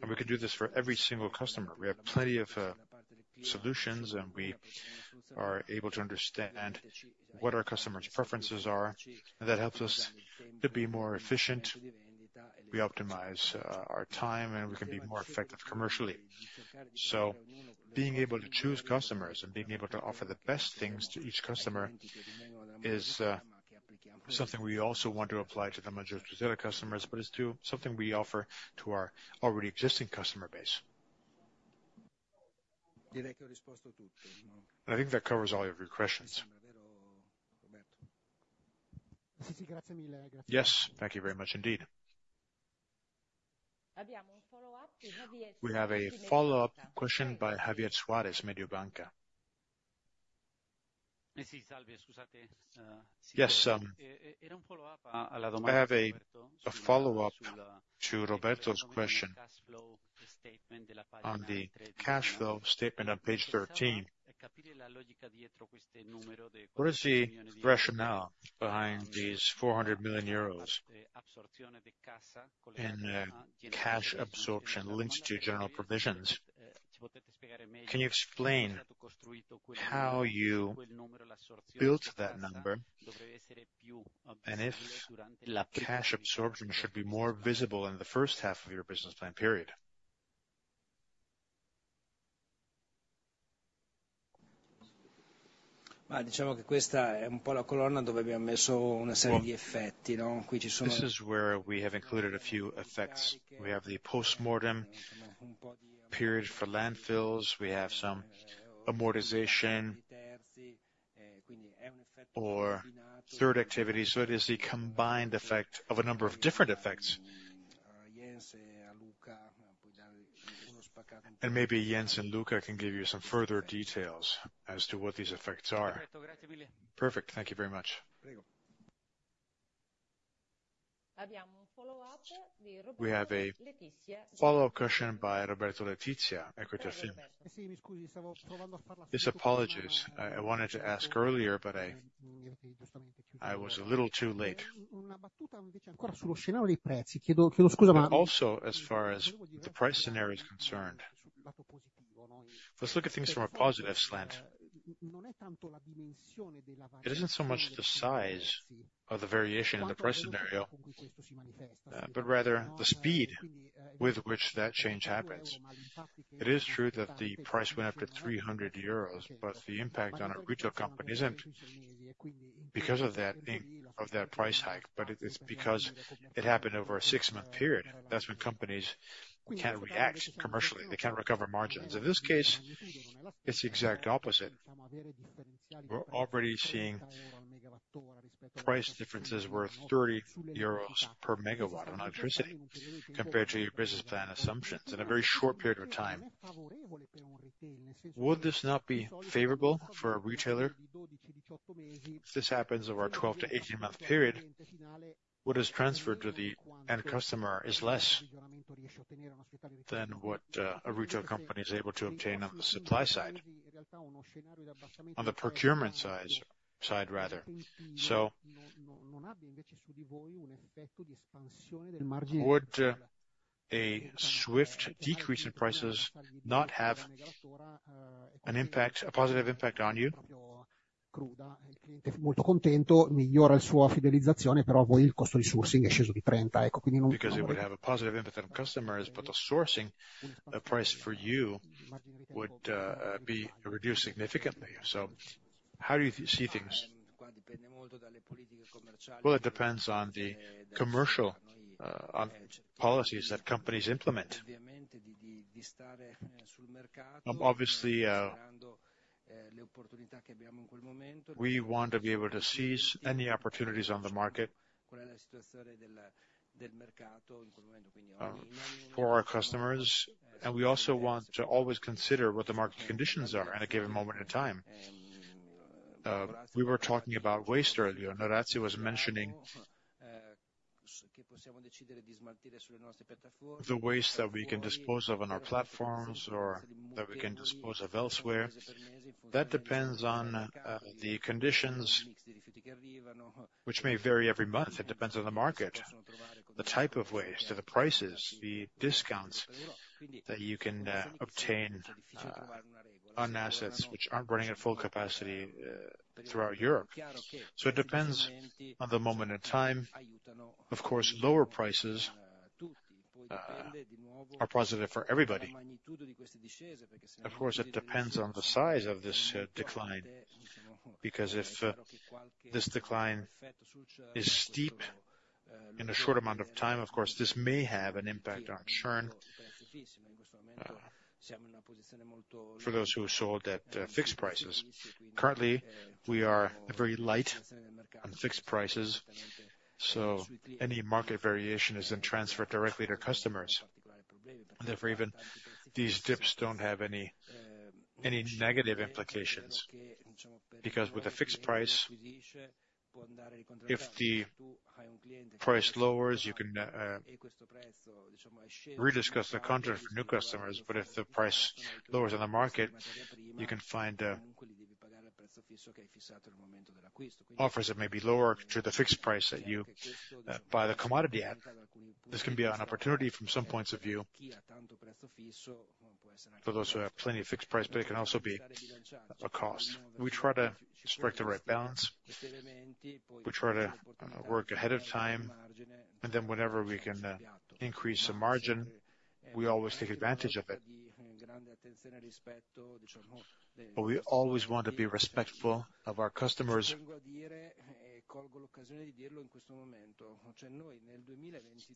And we can do this for every single customer. We have plenty of solutions, and we are able to understand what our customers' preferences are, and that helps us to be more efficient. We optimize our time, and we can be more effective commercially. So being able to choose customers and being able to offer the best things to each customer is something we also want to apply to the majority of customers, but it's to something we offer to our already existing customer base. And I think that covers all of your questions. Yes, thank you very much, indeed. We have a follow-up question by Javier Suarez, Mediobanca. Yes, I have a follow-up to Roberto's question on the cash flow statement on page 13. What is the rationale behind these 400 million euros in cash absorption links to general provisions? Can you explain how you built that number, and if the cash absorption should be more visible in the first half of your business plan period? This is where we have included a few effects. We have the postmortem period for landfills, we have some amortization or third activity, so it is a combined effect of a number of different effects. Maybe Jens and Luca can give you some further details as to what these effects are. Perfect. Thank you very much. We have a follow-up question by Roberto Letizia, Equita SIM. Yes, apologies. I wanted to ask earlier, but I was a little too late. Also, as far as the price scenario is concerned, let's look at things from a positive slant. It isn't so much the size of the variation in the price scenario, but rather the speed with which that change happens. It is true that the price went up to 300 euros, but the impact on our retail company isn't because of that price hike, but it's because it happened over a 6-month period. That's when companies can react commercially, they can recover margins. In this case, it's the exact opposite. We're already seeing price differences worth 30 euros per megawatt on electricity compared to your business plan assumptions in a very short period of time. Would this not be favorable for a retailer? If this happens over a 12- to 18-month period, what is transferred to the end customer is less than what a retail company is able to obtain on the supply side, on the procurement side rather. So, would a swift decrease in prices not have an impact, a positive impact, on you? Because it would have a positive impact on customers, but the sourcing price for you would be reduced significantly. So how do you see things? Well, it depends on the commercial policies that companies implement. Obviously, we want to be able to seize any opportunities on the market for our customers, and we also want to always consider what the market conditions are at a given moment in time. We were talking about waste earlier, and Orazio was mentioning the waste that we can dispose of on our platforms or that we can dispose of elsewhere. That depends on the conditions, which may vary every month. It depends on the market, the type of waste, or the prices, the discounts that you can obtain on assets which aren't running at full capacity throughout Europe. So it depends on the moment in time. Of course, lower prices are positive for everybody. Of course, it depends on the size of this decline, because if this decline is steep in a short amount of time, of course, this may have an impact on our churn for those who sold at fixed prices. Currently, we are very light on fixed prices, so any market variation is then transferred directly to customers. Therefore, even these dips don't have any, any negative implications, because with a fixed price, if the price lowers, you can, rediscuss the contract for new customers, but if the price lowers in the market, you can find, offers that may be lower to the fixed price that you, buy the commodity at. This can be an opportunity from some points of view, for those who have plenty of fixed price, but it can also be a cost. We try to strike the right balance. We try to, work ahead of time, and then whenever we can, increase the margin, we always take advantage of it. But we always want to be respectful of our customers.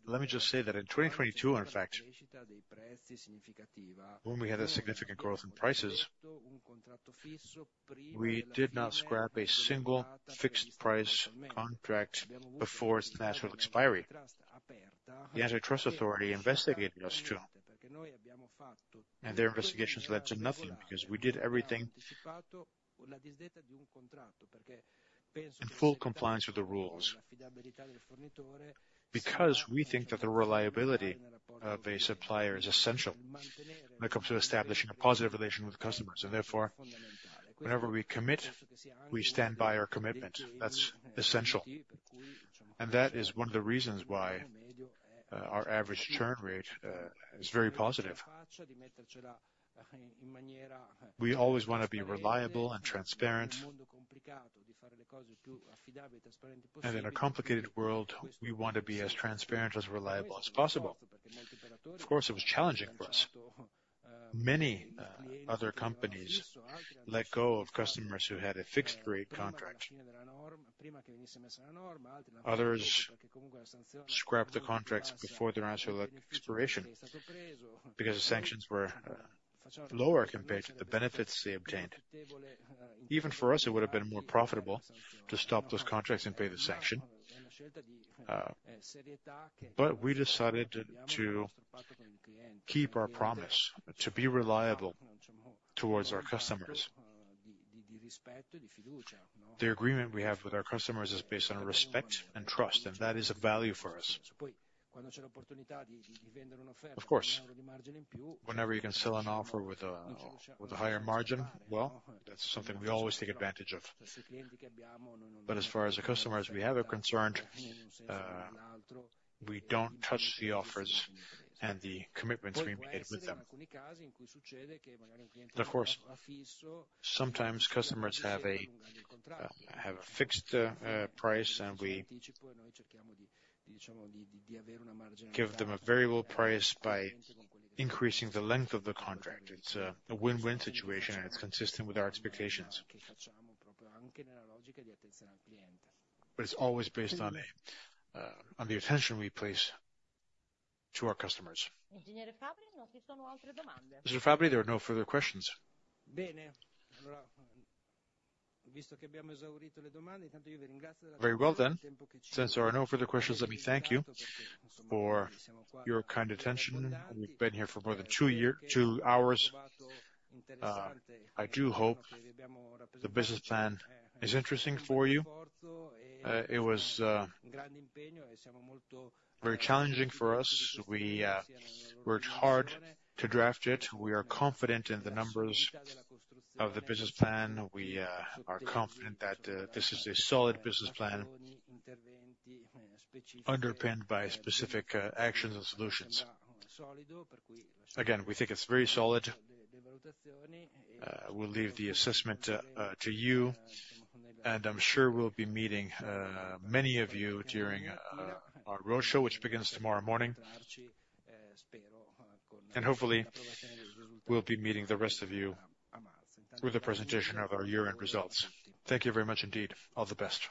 Let me just say that in 2022, in fact, when we had a significant growth in prices, we did not scrap a single fixed price contract before its natural expiry. The Antitrust Authority investigated us, too, and their investigations led to nothing, because we did everything in full compliance with the rules. Because we think that the reliability of a supplier is essential when it comes to establishing a positive relation with customers, and therefore, whenever we commit, we stand by our commitment. That's essential, and that is one of the reasons why our average churn rate is very positive. We always want to be reliable and transparent. In a complicated world, we want to be as transparent and as reliable as possible. Of course, it was challenging for us. Many other companies let go of customers who had a fixed-rate contract. Others scrapped the contracts before their natural expiration, because the sanctions were lower compared to the benefits they obtained. Even for us, it would have been more profitable to stop those contracts and pay the sanction, but we decided to keep our promise, to be reliable towards our customers. The agreement we have with our customers is based on respect and trust, and that is of value for us. Of course, whenever you can sell an offer with a higher margin, well, that's something we always take advantage of. But as far as the customers we have are concerned, we don't touch the offers and the commitments we made with them. Of course, sometimes customers have a fixed price, and we give them a variable price by increasing the length of the contract. It's a win-win situation, and it's consistent with our expectations. But it's always based on the attention we place to our customers. Mr. Fabbri, there are no further questions. Very well, then. Since there are no further questions, let me thank you for your kind attention. We've been here for more than two hours. I do hope the business plan is interesting for you. It was very challenging for us. We worked hard to draft it. We are confident in the numbers of the business plan. We are confident that this is a solid business plan, underpinned by specific actions and solutions. Again, we think it's very solid. We'll leave the assessment to you, and I'm sure we'll be meeting many of you during our road show, which begins tomorrow morning. Hopefully, we'll be meeting the rest of you with the presentation of our year-end results. Thank you very much indeed. All the best.